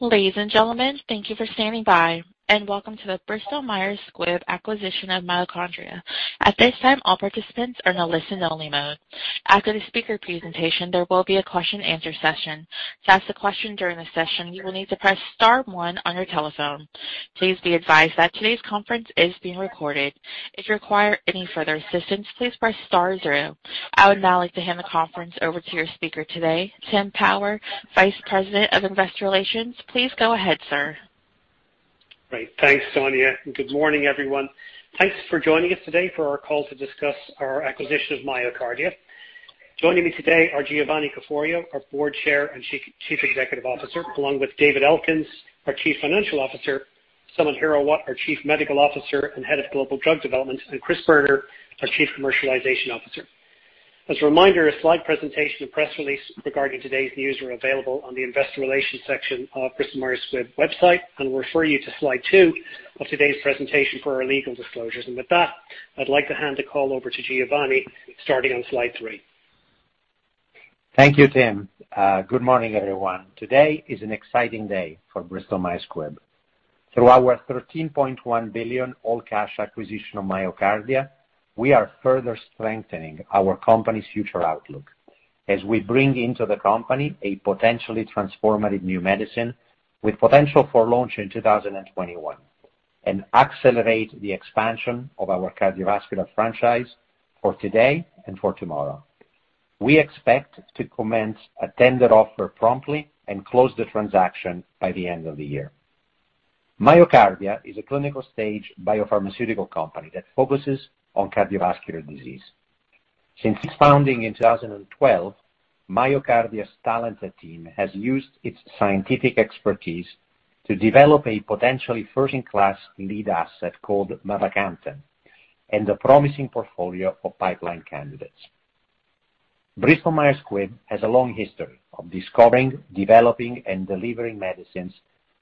Ladies and gentlemen, thank you for standing by, and welcome to the Bristol Myers Squibb acquisition of MyoKardia. At this time, all participants are in a listen only mode. After the speaker presentation, there will be a question answer session. To ask a question during the session, you will need to press star one on your telephone. Please be advised that today's conference is being recorded. If you require any further assistance, please press star zero. I would now like to hand the conference over to your speaker today, Tim Power, Vice President of Investor Relations. Please go ahead, sir. Great. Thanks, Sonia, good morning, everyone. Thanks for joining us today for our call to discuss our acquisition of MyoKardia. Joining me today are Giovanni Caforio, our Board Chair and Chief Executive Officer, along with David Elkins, our Chief Financial Officer, Samit Hirawat, our Chief Medical Officer and Head of Global Drug Development, Chris Boerner, our Chief Commercialization Officer. As a reminder, a slide presentation and press release regarding today's news are available on the investor relations section of Bristol Myers Squibb website, we refer you to slide two of today's presentation for our legal disclosures. With that, I'd like to hand the call over to Giovanni, starting on slide three. Thank you, Tim. Good morning, everyone. Today is an exciting day for Bristol Myers Squibb. Through our $13.1 billion all cash acquisition of MyoKardia, we are further strengthening our company's future outlook as we bring into the company a potentially transformative new medicine with potential for launch in 2021 and accelerate the expansion of our cardiovascular franchise for today and for tomorrow. We expect to commence a tender offer promptly and close the transaction by the end of the year. MyoKardia is a clinical stage biopharmaceutical company that focuses on cardiovascular disease. Since its founding in 2012, MyoKardia's talented team has used its scientific expertise to develop a potentially first-in-class lead asset called mavacamten and a promising portfolio of pipeline candidates. Bristol Myers Squibb has a long history of discovering, developing, and delivering medicines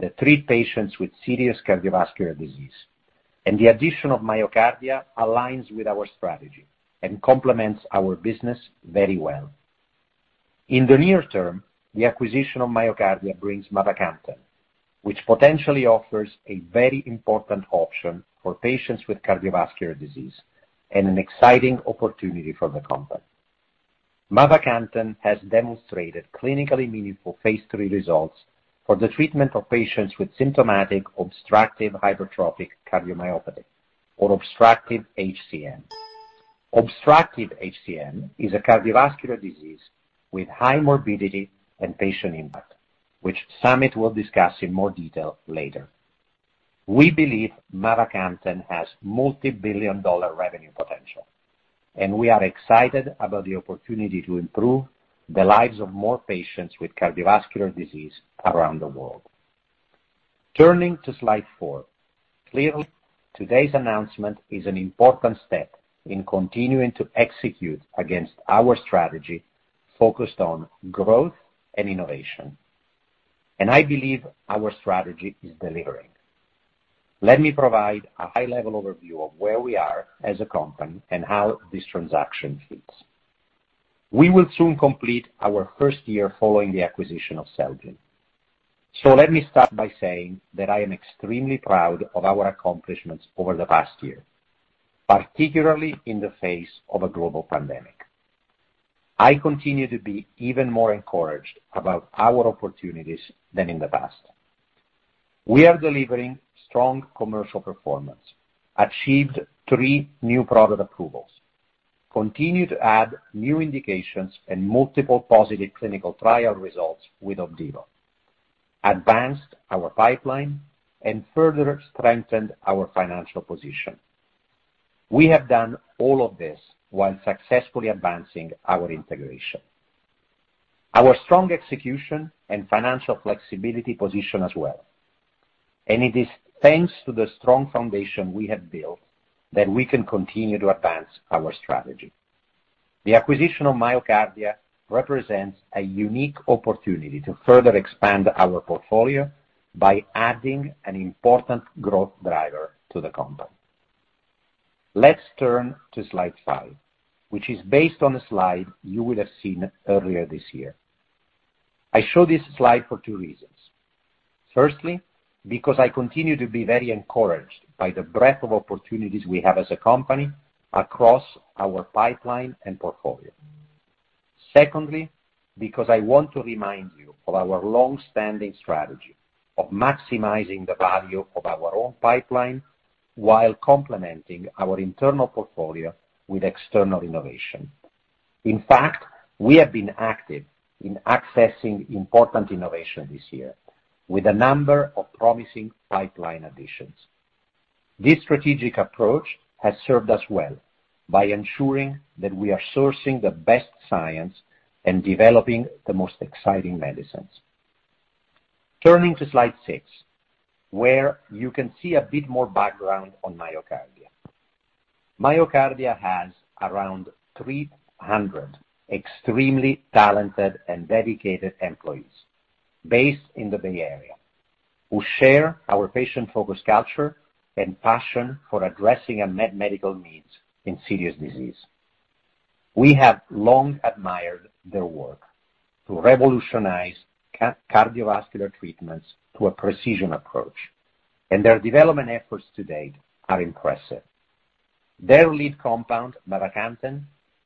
that treat patients with serious cardiovascular disease, and the addition of MyoKardia aligns with our strategy and complements our business very well. In the near term, the acquisition of MyoKardia brings mavacamten, which potentially offers a very important option for patients with cardiovascular disease and an exciting opportunity for the company. Mavacamten has demonstrated clinically meaningful phase III results for the treatment of patients with symptomatic obstructive hypertrophic cardiomyopathy or obstructive HCM. Obstructive HCM is a cardiovascular disease with high morbidity and patient impact, which Samit will discuss in more detail later. We believe mavacamten has multi-billion revenue potential, and we are excited about the opportunity to improve the lives of more patients with cardiovascular disease around the world. Turning to slide four. Clearly, today's announcement is an important step in continuing to execute against our strategy focused on growth and innovation, and I believe our strategy is delivering. Let me provide a high-level overview of where we are as a company and how this transaction fits. We will soon complete our first year following the acquisition of Celgene. Let me start by saying that I am extremely proud of our accomplishments over the past year, particularly in the face of a global pandemic. I continue to be even more encouraged about our opportunities than in the past. We are delivering strong commercial performance, achieved three new product approvals, continue to add new indications and multiple positive clinical trial results with OPDIVO, advanced our pipeline, and further strengthened our financial position. We have done all of this while successfully advancing our integration. Our strong execution and financial flexibility position as well. It is thanks to the strong foundation we have built that we can continue to advance our strategy. The acquisition of MyoKardia represents a unique opportunity to further expand our portfolio by adding an important growth driver to the company. Let's turn to slide five, which is based on a slide you will have seen earlier this year. I show this slide for two reasons. Firstly, because I continue to be very encouraged by the breadth of opportunities we have as a company across our pipeline and portfolio. Secondly, because I want to remind you of our longstanding strategy of maximizing the value of our own pipeline while complementing our internal portfolio with external innovation. In fact, we have been active in accessing important innovation this year with a number of promising pipeline additions. This strategic approach has served us well by ensuring that we are sourcing the best science and developing the most exciting medicines. Turning to slide six, where you can see a bit more background on MyoKardia. MyoKardia has around 300 extremely talented and dedicated employees based in the Bay Area who share our patient-focused culture and passion for addressing unmet medical needs in serious disease. We have long admired their work to revolutionize cardiovascular treatments to a precision approach, and their development efforts to date are impressive. Their lead compound, mavacamten,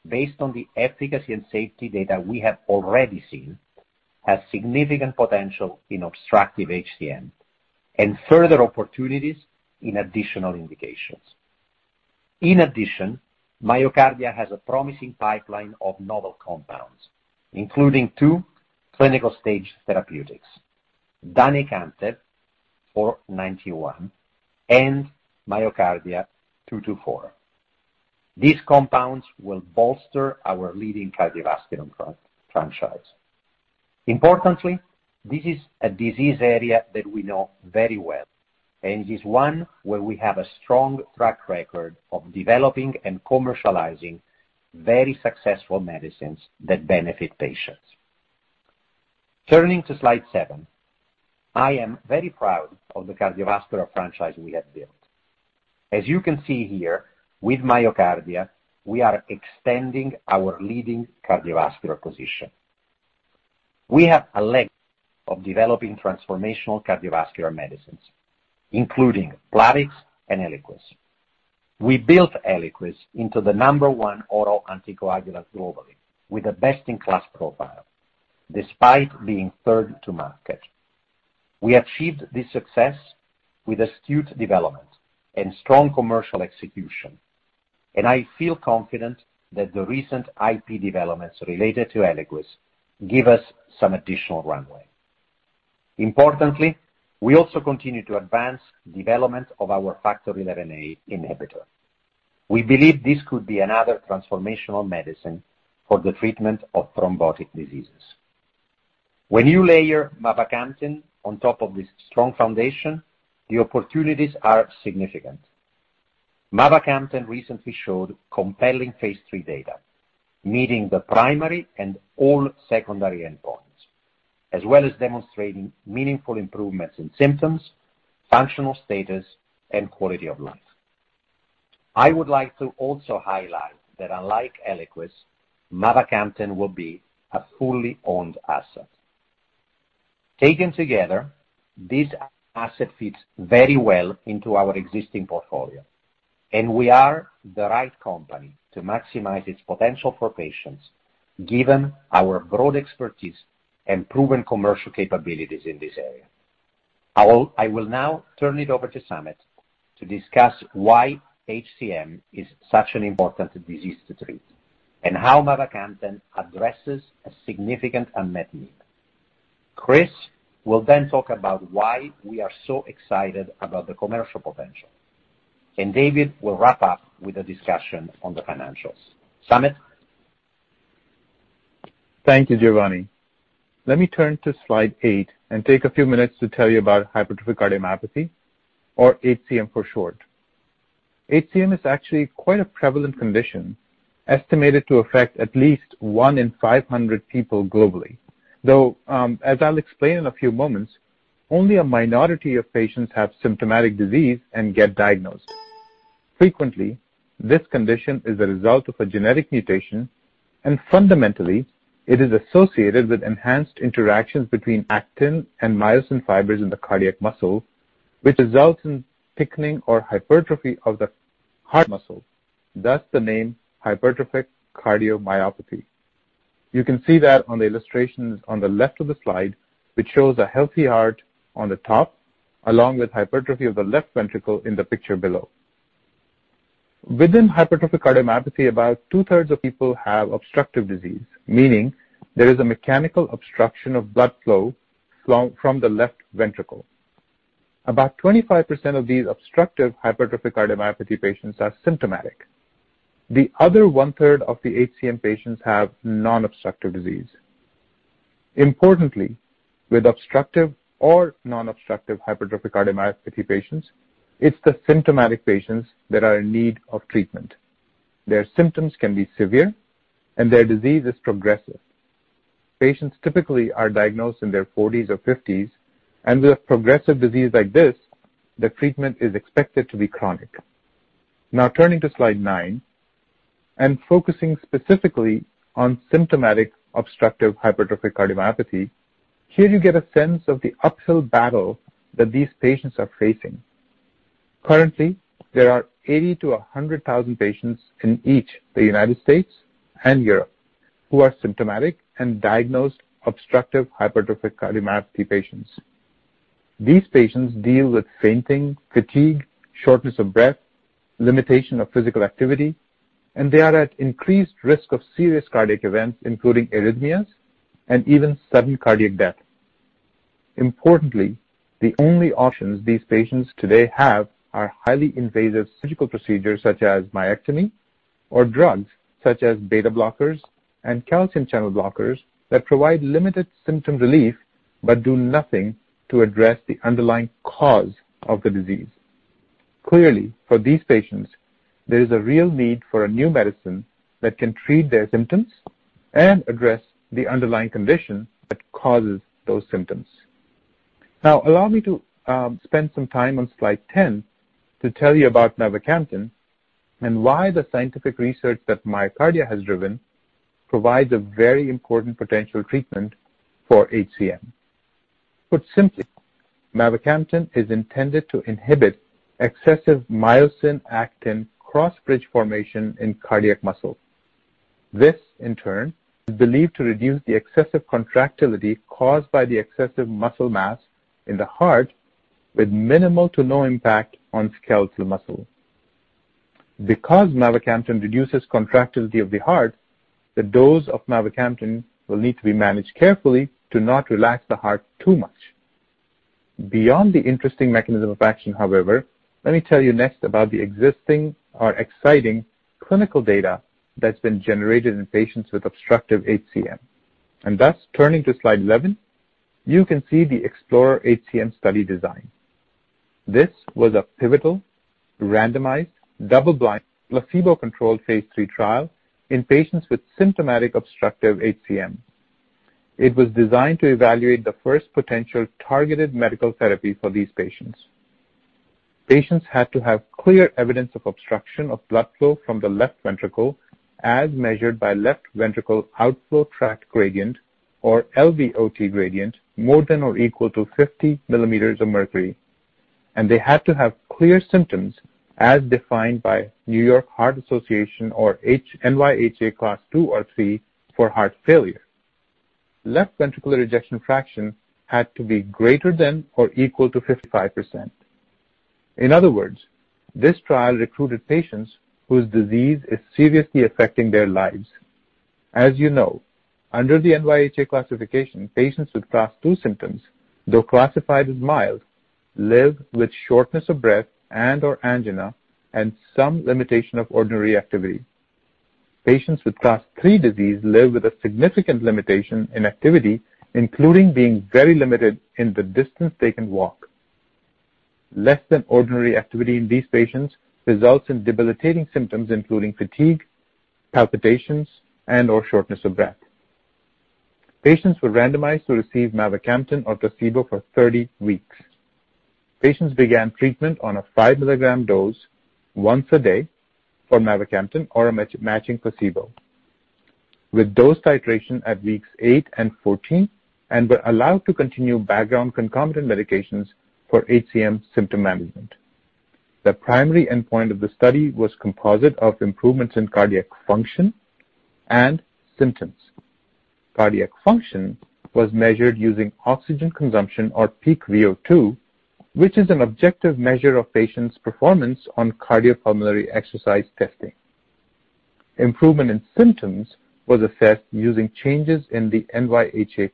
based on the efficacy and safety data we have already seen, has significant potential in obstructive HCM and further opportunities in additional indications. In addition, MyoKardia has a promising pipeline of novel compounds, including two clinical-stage therapeutics, danicamtiv, MYK-491, and MYK-224. These compounds will bolster our leading cardiovascular franchise. Importantly, this is a disease area that we know very well and is one where we have a strong track record of developing and commercializing very successful medicines that benefit patients. Turning to slide seven, I am very proud of the cardiovascular franchise we have built. As you can see here, with MyoKardia, we are extending our leading cardiovascular position. We have a legacy of developing transformational cardiovascular medicines, including Plavix and ELIQUIS. We built ELIQUIS into the number one oral anticoagulant globally, with a best-in-class profile, despite being third to market. We achieved this success with astute development and strong commercial execution. I feel confident that the recent IP developments related to ELIQUIS give us some additional runway. Importantly, we also continue to advance development of our factor XIa inhibitor. We believe this could be another transformational medicine for the treatment of thrombotic diseases. When you layer mavacamten on top of this strong foundation, the opportunities are significant. Mavacamten recently showed compelling phase III data, meeting the primary and all secondary endpoints, as well as demonstrating meaningful improvements in symptoms, functional status, and quality of life. I would like to also highlight that unlike ELIQUIS, mavacamten will be a fully owned asset. Taken together, this asset fits very well into our existing portfolio, and we are the right company to maximize its potential for patients, given our broad expertise and proven commercial capabilities in this area. I will now turn it over to Samit to discuss why HCM is such an important disease to treat and how mavacamten addresses a significant unmet need. Chris will then talk about why we are so excited about the commercial potential, and David will wrap up with a discussion on the financials. Samit? Thank you, Giovanni. Let me turn to slide eight and take a few minutes to tell you about hypertrophic cardiomyopathy, or HCM for short. HCM is actually quite a prevalent condition, estimated to affect at least one in 500 people globally. As I'll explain in a few moments, only a minority of patients have symptomatic disease and get diagnosed. Frequently, this condition is a result of a genetic mutation, and fundamentally, it is associated with enhanced interactions between actin and myosin fibers in the cardiac muscle, which results in thickening or hypertrophy of the heart muscle. Thus, the name hypertrophic cardiomyopathy. You can see that on the illustrations on the left of the slide, which shows a healthy heart on the top, along with hypertrophy of the left ventricle in the picture below. Within hypertrophic cardiomyopathy, about two-thirds of people have obstructive disease, meaning there is a mechanical obstruction of blood flow from the left ventricle. About 25% of these obstructive hypertrophic cardiomyopathy patients are symptomatic. The other one-third of the HCM patients have non-obstructive disease. Importantly, with obstructive or non-obstructive hypertrophic cardiomyopathy patients, it is the symptomatic patients that are in need of treatment. Their symptoms can be severe, and their disease is progressive. Patients typically are diagnosed in their 40s or 50s, and with progressive disease like this, the treatment is expected to be chronic. Now turning to slide nine and focusing specifically on symptomatic obstructive hypertrophic cardiomyopathy. Here you get a sense of the uphill battle that these patients are facing. Currently, there are 80,000-100,000 patients in each the U.S. and Europe who are symptomatic and diagnosed obstructive hypertrophic cardiomyopathy patients. These patients deal with fainting, fatigue, shortness of breath, limitation of physical activity, and they are at increased risk of serious cardiac events, including arrhythmias and even sudden cardiac death. Importantly, the only options these patients today have are highly invasive surgical procedures such as myectomy, or drugs such as beta blockers and calcium channel blockers that provide limited symptom relief but do nothing to address the underlying cause of the disease. Clearly, for these patients, there is a real need for a new medicine that can treat their symptoms and address the underlying condition that causes those symptoms. Allow me to spend some time on slide 10 to tell you about mavacamten and why the scientific research that MyoKardia has driven provides a very important potential treatment for HCM. Put simply, mavacamten is intended to inhibit excessive myosin-actin cross-bridge formation in cardiac muscle. This, in turn, is believed to reduce the excessive contractility caused by the excessive muscle mass in the heart with minimal to no impact on skeletal muscle. Because mavacamten reduces contractility of the heart, the dose of mavacamten will need to be managed carefully to not relax the heart too much. Beyond the interesting mechanism of action, however, let me tell you next about the existing or exciting clinical data that's been generated in patients with obstructive HCM. Thus, turning to slide 11, you can see the EXPLORER-HCM study design. This was a pivotal, randomized, double-blind, placebo-controlled phase III trial in patients with symptomatic obstructive HCM. It was designed to evaluate the first potential targeted medical therapy for these patients. Patients had to have clear evidence of obstruction of blood flow from the left ventricle, as measured by left ventricular outflow tract gradient, or LVOT gradient, more than or equal to 50 mm of mercury, and they had to have clear symptoms as defined by New York Heart Association, or NYHA Class 2 or 3 for heart failure. Left ventricular ejection fraction had to be greater than or equal to 55%. In other words, this trial recruited patients whose disease is seriously affecting their lives. As you know, under the NYHA classification, patients with Class 2 symptoms, though classified as mild, live with shortness of breath and/or angina and some limitation of ordinary activity. Patients with Class 3 disease live with a significant limitation in activity, including being very limited in the distance they can walk. Less than ordinary activity in these patients results in debilitating symptoms, including fatigue, palpitations, and/or shortness of breath. Patients were randomized to receive mavacamten or placebo for 30 weeks. Patients began treatment on a 5-mg dose once a day for mavacamten or a matching placebo, with dose titration at weeks eight and 14, and were allowed to continue background concomitant medications for HCM symptom management. The primary endpoint of the study was composite of improvements in cardiac function and symptoms. Cardiac function was measured using oxygen consumption or peak VO2, which is an objective measure of patients' performance on cardiopulmonary exercise testing. Improvement in symptoms was assessed using changes in the NYHA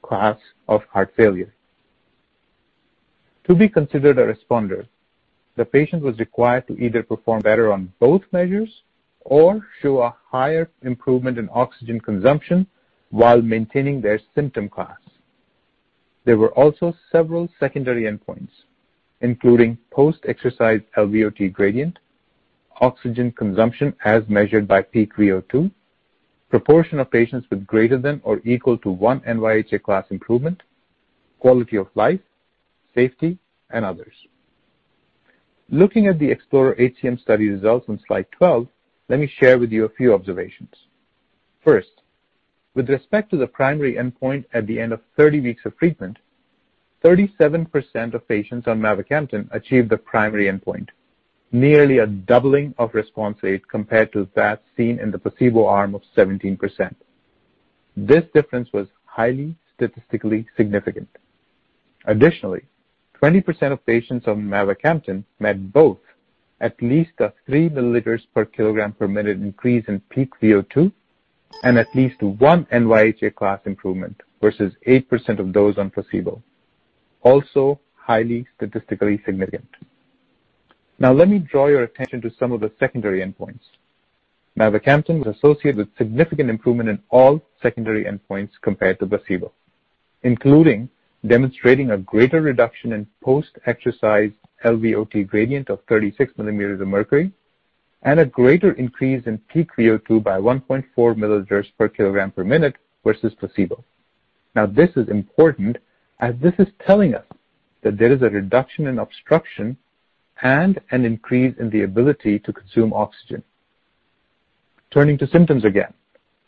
class of heart failure. To be considered a responder, the patient was required to either perform better on both measures or show a higher improvement in oxygen consumption while maintaining their symptom class. There were also several secondary endpoints, including post-exercise LVOT gradient, oxygen consumption as measured by peak VO2, proportion of patients with greater than or equal to 1 NYHA class improvement, quality of life, safety, and others. Looking at the EXPLORER-HCM study results on slide 12, let me share with you a few observations. First, with respect to the primary endpoint at the end of 30 weeks of treatment, 37% of patients on mavacamten achieved the primary endpoint, nearly a doubling of response rate compared to that seen in the placebo arm of 17%. This difference was highly statistically significant. Additionally, 20% of patients on mavacamten met both at least a 3 mL per kilogram per minute increase in peak VO2 and at least 1 NYHA class improvement versus 8% of those on placebo. Also, highly statistically significant. Let me draw your attention to some of the secondary endpoints. Mavacamten was associated with significant improvement in all secondary endpoints compared to placebo, including demonstrating a greater reduction in post-exercise LVOT gradient of 36 mm of mercury and a greater increase in peak VO2 by 1.4 mL per kilogram per minute versus placebo. This is important as this is telling us that there is a reduction in obstruction and an increase in the ability to consume oxygen. Turning to symptoms again,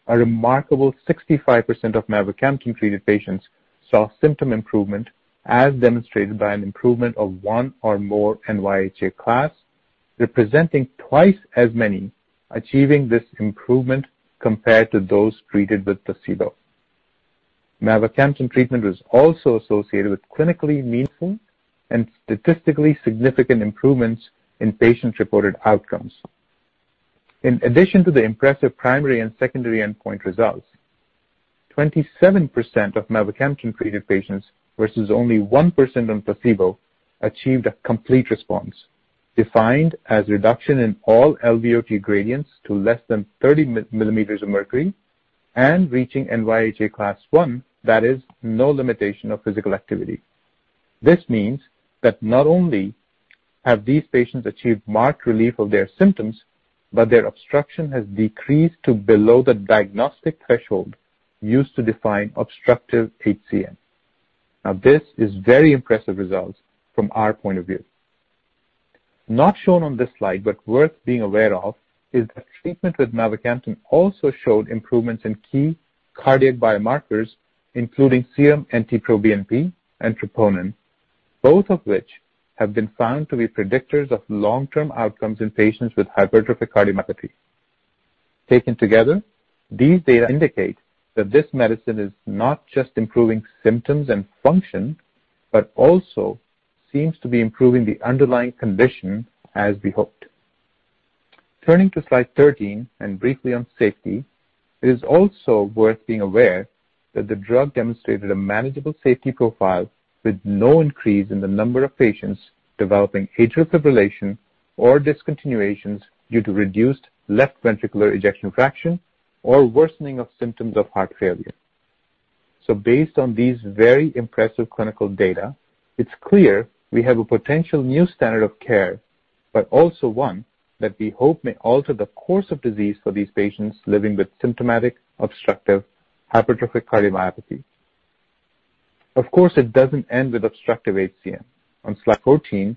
a remarkable 65% of mavacamten treated patients saw symptom improvement as demonstrated by an improvement of 1 or more NYHA class, representing twice as many achieving this improvement compared to those treated with placebo. Mavacamten treatment was also associated with clinically meaningful and statistically significant improvements in patient-reported outcomes. In addition to the impressive primary and secondary endpoint results, 27% of mavacamten treated patients versus only 1% on placebo achieved a complete response, defined as reduction in all LVOT gradients to less than 30 mm of mercury and reaching NYHA Class 1, that is, no limitation of physical activity. This means that not only have these patients achieved marked relief of their symptoms, but their obstruction has decreased to below the diagnostic threshold used to define obstructive HCM. This is very impressive results from our point of view. Not shown on this slide, but worth being aware of, is that treatment with mavacamten also showed improvements in key cardiac biomarkers, including NT-proBNP and troponin. Both of which have been found to be predictors of long-term outcomes in patients with hypertrophic cardiomyopathy. Taken together, these data indicate that this medicine is not just improving symptoms and function, but also seems to be improving the underlying condition as we hoped. Turning to slide 13, and briefly on safety, it is also worth being aware that the drug demonstrated a manageable safety profile with no increase in the number of patients developing atrial fibrillation or discontinuations due to reduced left ventricular ejection fraction or worsening of symptoms of heart failure. Based on these very impressive clinical data, it's clear we have a potential new standard of care, but also one that we hope may alter the course of disease for these patients living with symptomatic obstructive hypertrophic cardiomyopathy. Of course, it doesn't end with obstructive HCM. On slide 14,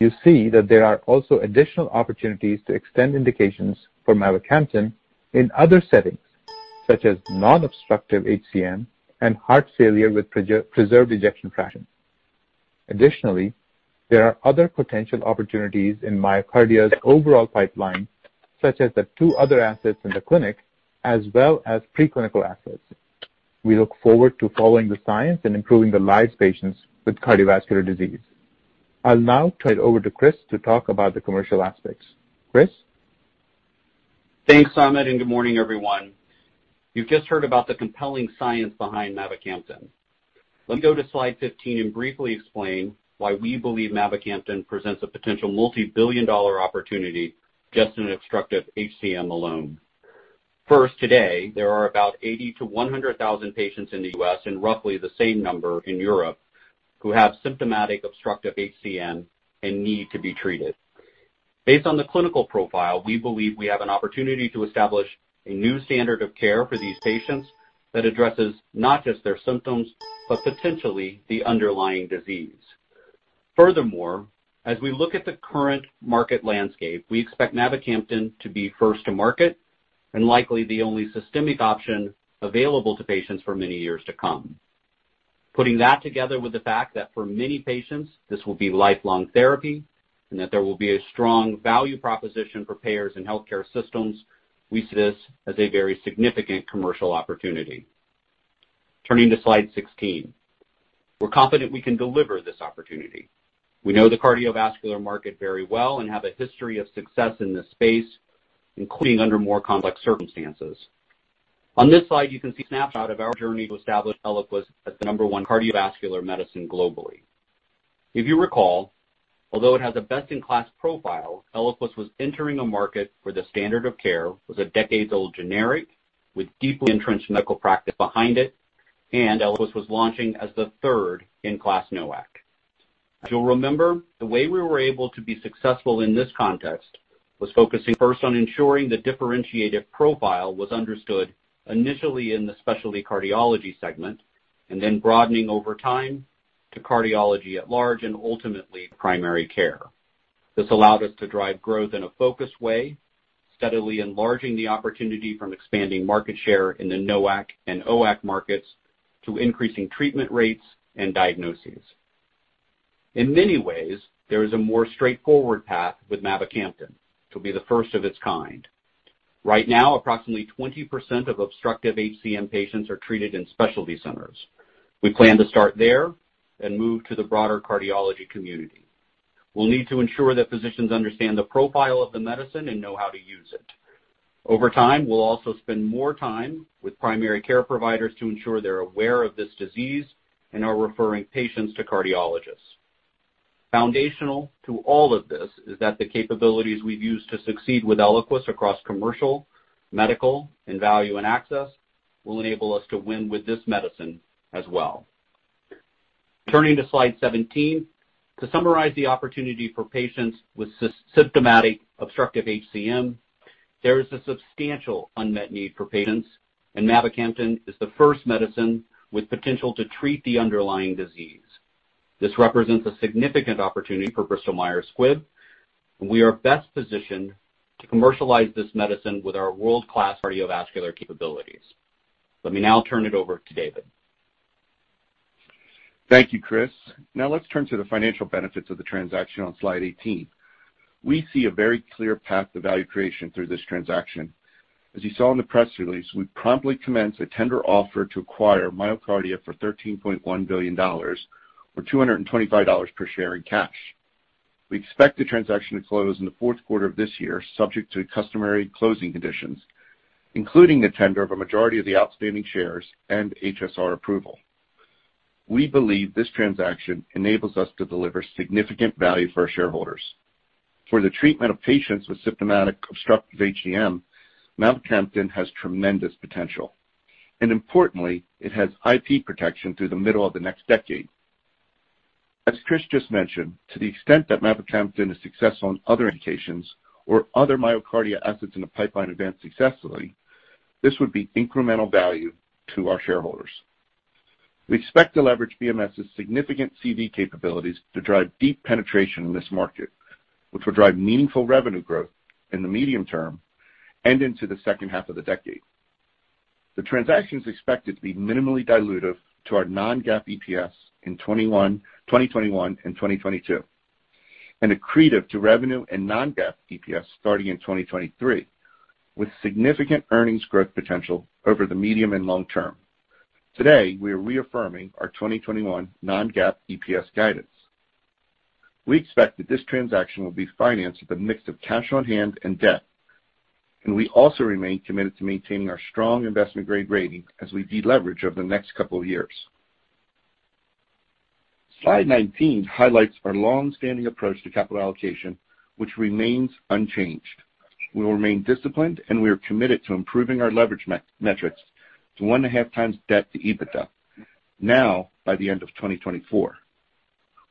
you see that there are also additional opportunities to extend indications for mavacamten in other settings, such as non-obstructive HCM and heart failure with preserved ejection fraction. Additionally, there are other potential opportunities in MyoKardia's overall pipeline, such as the two other assets in the clinic, as well as pre-clinical assets. We look forward to following the science and improving the lives of patients with cardiovascular disease. I'll now turn it over to Chris to talk about the commercial aspects. Chris? Thanks, Samit, and good morning, everyone. You've just heard about the compelling science behind mavacamten. Let me go to slide 15 and briefly explain why we believe mavacamten presents a potential multi-billion dollar opportunity just in obstructive HCM alone. First, today, there are about 80,000-100,000 patients in the U.S., and roughly the same number in Europe, who have symptomatic obstructive HCM and need to be treated. Based on the clinical profile, we believe we have an opportunity to establish a new standard of care for these patients that addresses not just their symptoms, but potentially the underlying disease. Furthermore, as we look at the current market landscape, we expect mavacamten to be first to market, and likely the only systemic option available to patients for many years to come. Putting that together with the fact that for many patients, this will be lifelong therapy, and that there will be a strong value proposition for payers and healthcare systems, we see this as a very significant commercial opportunity. Turning to slide 16. We're confident we can deliver this opportunity. We know the cardiovascular market very well and have a history of success in this space, including under more complex circumstances. On this slide, you can see a snapshot of our journey to establish ELIQUIS as the number one cardiovascular medicine globally. If you recall, although it has a best-in-class profile, ELIQUIS was entering a market where the standard of care was a decades-old generic with deeply entrenched medical practice behind it, and ELIQUIS was launching as the third in class NOAC. As you'll remember, the way we were able to be successful in this context was focusing first on ensuring the differentiated profile was understood initially in the specialty cardiology segment, and then broadening over time to cardiology at large, and ultimately, primary care. This allowed us to drive growth in a focused way, steadily enlarging the opportunity from expanding market share in the NOAC and OAC markets to increasing treatment rates and diagnoses. In many ways, there is a more straightforward path with mavacamten to be the first of its kind. Right now, approximately 20% of obstructive HCM patients are treated in specialty centers. We plan to start there and move to the broader cardiology community. We'll need to ensure that physicians understand the profile of the medicine and know how to use it. Over time, we'll also spend more time with primary care providers to ensure they're aware of this disease and are referring patients to cardiologists. Foundational to all of this is that the capabilities we've used to succeed with ELIQUIS across commercial, medical, and value and access will enable us to win with this medicine as well. Turning to slide 17, to summarize the opportunity for patients with symptomatic obstructive HCM, there is a substantial unmet need for patients. Mavacamten is the first medicine with potential to treat the underlying disease. This represents a significant opportunity for Bristol Myers Squibb. We are best positioned to commercialize this medicine with our world-class cardiovascular capabilities. Let me now turn it over to David. Thank you, Chris. Now let's turn to the financial benefits of the transaction on slide 18. We see a very clear path to value creation through this transaction. As you saw in the press release, we promptly commenced a tender offer to acquire MyoKardia for $13.1 billion, or $225 per share in cash. We expect the transaction to close in the fourth quarter of this year, subject to customary closing conditions, including the tender of a majority of the outstanding shares and HSR approval. We believe this transaction enables us to deliver significant value for our shareholders. For the treatment of patients with symptomatic obstructive HCM, mavacamten has tremendous potential. Importantly, it has IP protection through the middle of the next decade. As Chris just mentioned, to the extent that mavacamten is successful in other indications or other MyoKardia assets in the pipeline advance successfully, this would be incremental value to our shareholders. We expect to leverage BMS's significant CV capabilities to drive deep penetration in this market, which will drive meaningful revenue growth in the medium term and into the second half of the decade. The transaction is expected to be minimally dilutive to our non-GAAP EPS in 2021 and 2022, and accretive to revenue and non-GAAP EPS starting in 2023, with significant earnings growth potential over the medium and long term. Today, we are reaffirming our 2021 non-GAAP EPS guidance. We expect that this transaction will be financed with a mix of cash on hand and debt, and we also remain committed to maintaining our strong investment-grade rating as we de-leverage over the next couple of years. Slide 19 highlights our longstanding approach to capital allocation, which remains unchanged. We will remain disciplined, we are committed to improving our leverage metrics to 1.5x debt to EBITDA, now by the end of 2024.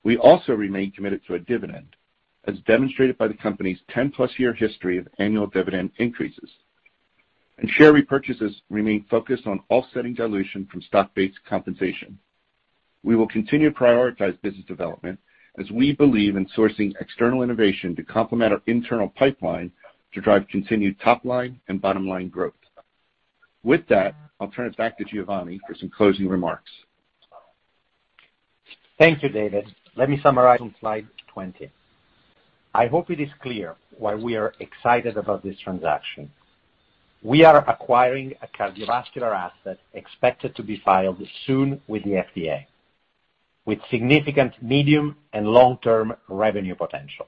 We also remain committed to a dividend, as demonstrated by the company's 10+ year history of annual dividend increases. Share repurchases remain focused on offsetting dilution from stock-based compensation. We will continue to prioritize business development as we believe in sourcing external innovation to complement our internal pipeline to drive continued top-line and bottom-line growth. With that, I'll turn it back to Giovanni for some closing remarks. Thank you, David. Let me summarize on slide 20. I hope it is clear why we are excited about this transaction. We are acquiring a cardiovascular asset expected to be filed soon with the FDA, with significant medium and long-term revenue potential,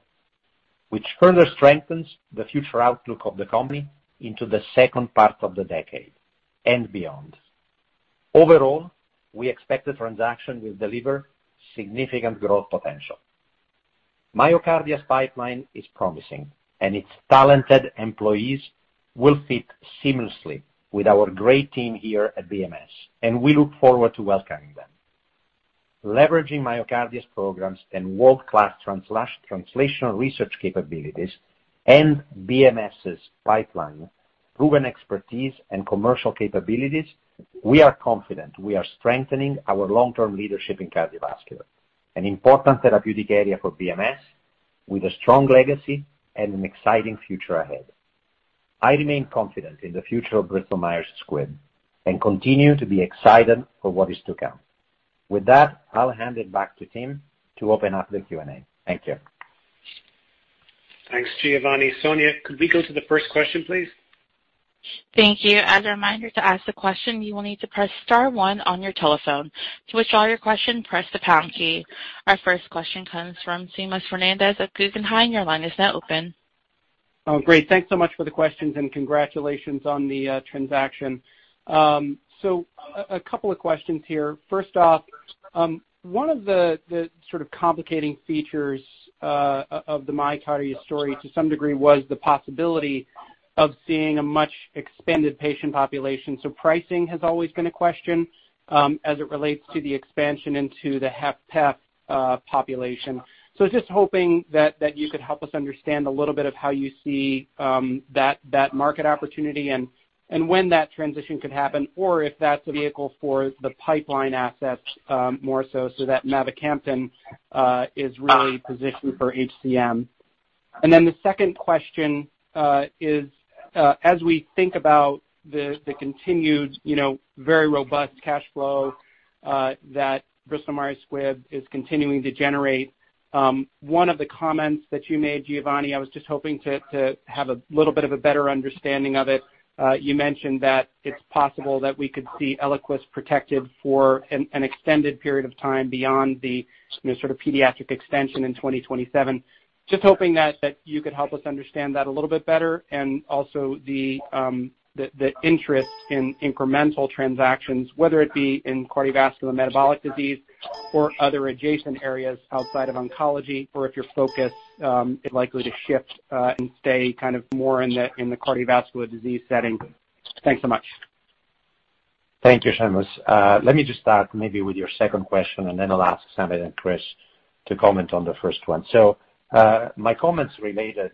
which further strengthens the future outlook of the company into the second part of the decade and beyond. Overall, we expect the transaction will deliver significant growth potential. MyoKardia's pipeline is promising, and its talented employees will fit seamlessly with our great team here at BMS, and we look forward to welcoming them. Leveraging MyoKardia's programs and world-class translational research capabilities and BMS's pipeline, proven expertise, and commercial capabilities, we are confident we are strengthening our long-term leadership in cardiovascular, an important therapeutic area for BMS with a strong legacy and an exciting future ahead. I remain confident in the future of Bristol Myers Squibb and continue to be excited for what is to come. With that, I will hand it back to Tim to open up the Q&A. Thank you. Thanks, Giovanni. Sonia, could we go to the first question, please? Thank you. As a reminder, to ask the question, you will need to press star one on your telephone. To withdraw your question, press the pound key. Our first question comes from Seamus Fernandez of Guggenheim. Your line is now open. Oh, great. Thanks so much for the questions, and congratulations on the transaction. A couple of questions here. First off, one of the sort of complicating features of the MyoKardia story to some degree was the possibility of seeing a much expanded patient population. Pricing has always been a question as it relates to the expansion into the HFpEF population. Just hoping that you could help us understand a little bit of how you see that market opportunity and when that transition could happen, or if that's a vehicle for the pipeline assets more so that mavacamten is really positioned for HCM. The second question is, as we think about the continued very robust cash flow that Bristol Myers Squibb is continuing to generate, one of the comments that you made, Giovanni, I was just hoping to have a little bit of a better understanding of it. You mentioned that it's possible that we could see ELIQUIS protected for an extended period of time beyond the sort of pediatric extension in 2027. Just hoping that you could help us understand that a little bit better and also the interest in incremental transactions, whether it be in cardiovascular metabolic disease or other adjacent areas outside of oncology, or if your focus is likely to shift and stay kind of more in the cardiovascular disease setting. Thanks so much. Thank you, Seamus. Let me just start maybe with your second question, and then I'll ask Samit and Chris to comment on the first one. My comments related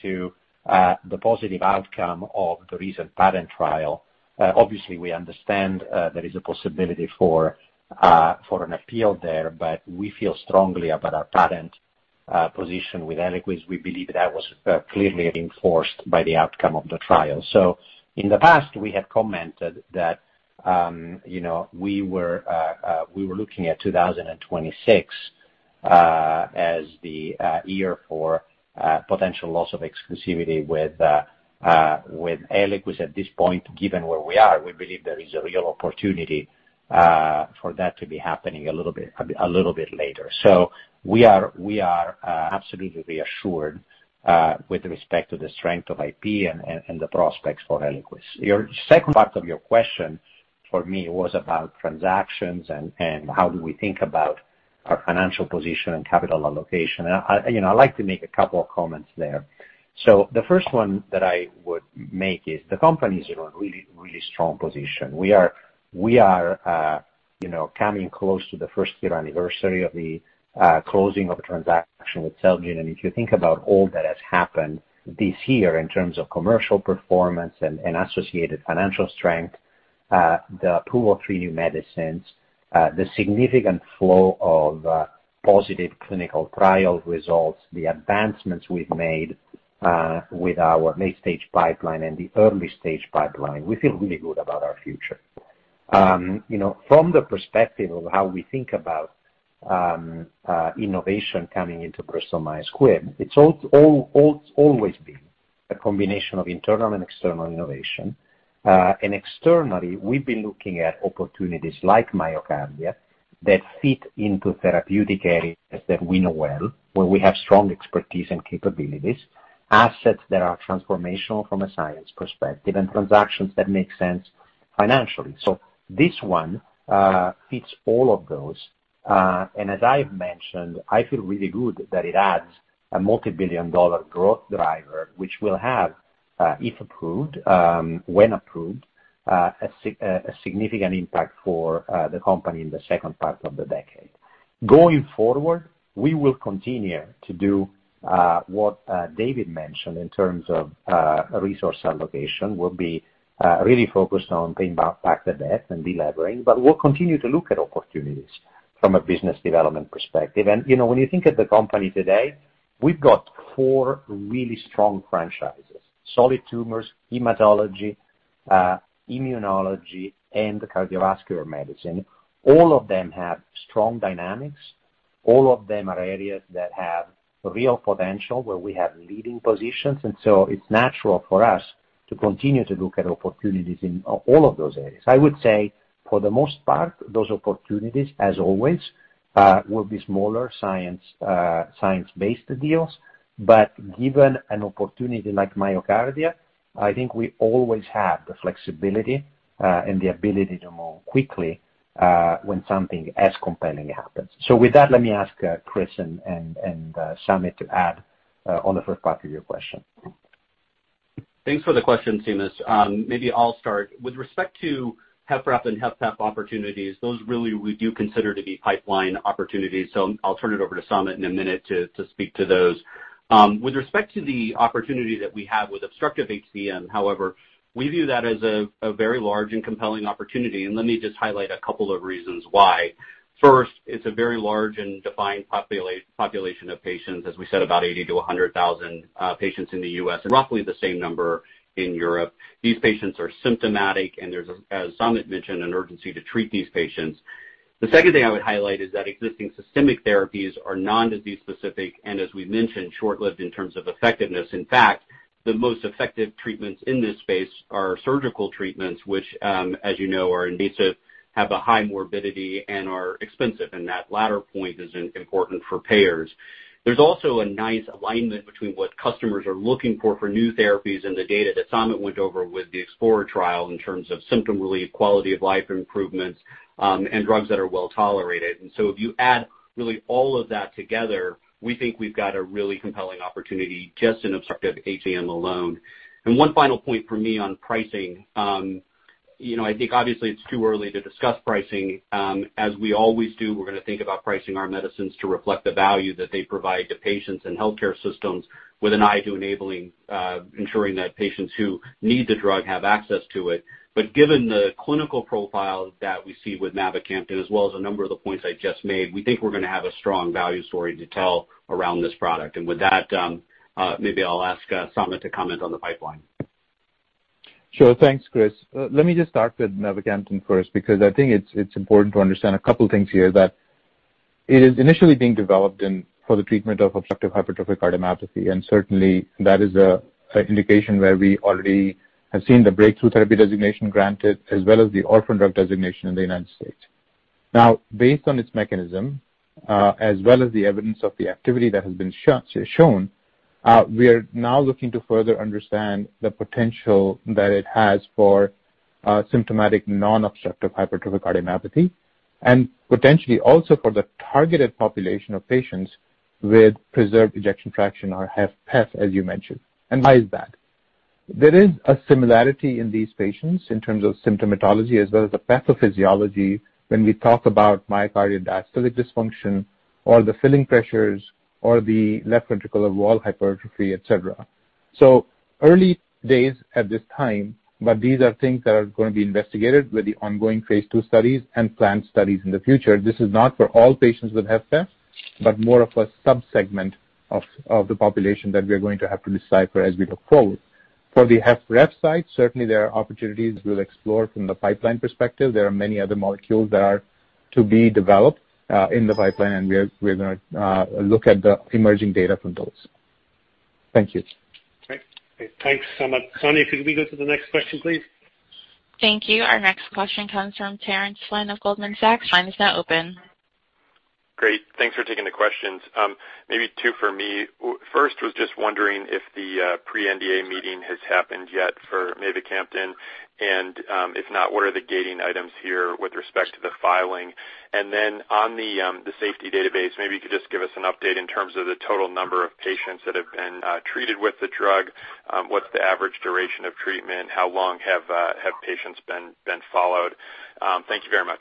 to the positive outcome of the recent patent trial. Obviously, we understand there is a possibility for an appeal there, but we feel strongly about our patent position with ELIQUIS. We believe that was clearly enforced by the outcome of the trial. In the past, we had commented that we were looking at 2026 as the year for potential loss of exclusivity with ELIQUIS. At this point, given where we are, we believe there is a real opportunity for that to be happening a little bit later. We are absolutely reassured with respect to the strength of IP and the prospects for ELIQUIS. Your second part of your question for me was about transactions and how do we think about our financial position and capital allocation. I'd like to make a couple of comments there. The first one that I would make is the company is in a really strong position. We are coming close to the first-year anniversary of the closing of a transaction with Celgene. If you think about all that has happened this year in terms of commercial performance and associated financial strength, the approval of three new medicines, the significant flow of positive clinical trial results, the advancements we've made with our late-stage pipeline and the early-stage pipeline, we feel really good about our future. From the perspective of how we think about innovation coming into Bristol Myers Squibb, it's always been a combination of internal and external innovation. Externally, we've been looking at opportunities like MyoKardia that fit into therapeutic areas that we know well, where we have strong expertise and capabilities, assets that are transformational from a science perspective, and transactions that make sense financially. This one fits all of those. As I've mentioned, I feel really good that it adds a multi-billion dollar growth driver, which will have, if approved, when approved, a significant impact for the company in the second part of the decade. Going forward, we will continue to do what David mentioned in terms of resource allocation. We'll be really focused on paying back the debt and delevering, we'll continue to look at opportunities from a business development perspective. When you think of the company today, we've got four really strong franchises. Solid tumors, hematology, immunology, and cardiovascular medicine. All of them have strong dynamics. All of them are areas that have real potential where we have leading positions, and so it's natural for us to continue to look at opportunities in all of those areas. I would say for the most part, those opportunities, as always, will be smaller science-based deals, but given an opportunity like MyoKardia, I think we always have the flexibility and the ability to move quickly when something as compelling happens. With that, let me ask Chris and Samit to add on the first part of your question. Thanks for the question, Seamus. Maybe I'll start. With respect to HFrEF and HFpEF opportunities, those really we do consider to be pipeline opportunities, so I'll turn it over to Samit in a minute to speak to those. With respect to the opportunity that we have with obstructive HCM, however, we view that as a very large and compelling opportunity, and let me just highlight a couple of reasons why. First, it's a very large and defined population of patients. As we said, about 80,000-100,000 patients in the U.S. and roughly the same number in Europe. These patients are symptomatic and there's, as Samit mentioned, an urgency to treat these patients. The second thing I would highlight is that existing systemic therapies are non-disease specific and as we mentioned, short-lived in terms of effectiveness. In fact, the most effective treatments in this space are surgical treatments, which as you know, are invasive, have a high morbidity, and are expensive. That latter point is important for payers. There's also a nice alignment between what customers are looking for new therapies and the data that Samit went over with the EXPLORER-HCM in terms of symptom relief, quality of life improvements, and drugs that are well-tolerated. If you add really all of that together, we think we've got a really compelling opportunity, just in obstructive HCM alone. One final point from me on pricing. I think obviously it's too early to discuss pricing. As we always do, we're going to think about pricing our medicines to reflect the value that they provide to patients and healthcare systems with an eye to enabling, ensuring that patients who need the drug have access to it. Given the clinical profile that we see with mavacamten, as well as a number of the points I just made, we think we're going to have a strong value story to tell around this product. With that, maybe I'll ask Samit to comment on the pipeline. Sure. Thanks, Chris. Let me just start with mavacamten first because I think it's important to understand a couple things here. It is initially being developed for the treatment of obstructive hypertrophic cardiomyopathy, and certainly that is an indication where we already have seen the breakthrough therapy designation granted as well as the orphan drug designation in the U.S. Based on its mechanism, as well as the evidence of the activity that has been shown, we are now looking to further understand the potential that it has for symptomatic non-obstructive hypertrophic cardiomyopathy and potentially also for the targeted population of patients with preserved ejection fraction or HFpEF, as you mentioned. Why is that? There is a similarity in these patients in terms of symptomatology as well as the pathophysiology when we talk about myocardial diastolic dysfunction or the filling pressures or the left ventricular wall hypertrophy, et cetera. Early days at this time, but these are things that are going to be investigated with the ongoing phase II studies and planned studies in the future. This is not for all patients with HFpEF, but more of a subsegment of the population that we are going to have to decipher as we look forward. For the HFrEF side, certainly there are opportunities we'll explore from the pipeline perspective. There are many other molecules that are to be developed in the pipeline, and we're going to look at the emerging data from those. Thank you. Great. Thanks, Samit. Sonia, could we go to the next question, please? Thank you. Our next question comes from Terence Flynn of Goldman Sachs. Line is now open. Great. Thanks for taking the questions. Maybe two for me. First was just wondering if the pre-NDA meeting has happened yet for mavacamten, and, if not, what are the gating items here with respect to the filing? Then on the safety database, maybe you could just give us an update in terms of the total number of patients that have been treated with the drug. What's the average duration of treatment? How long have patients been followed? Thank you very much.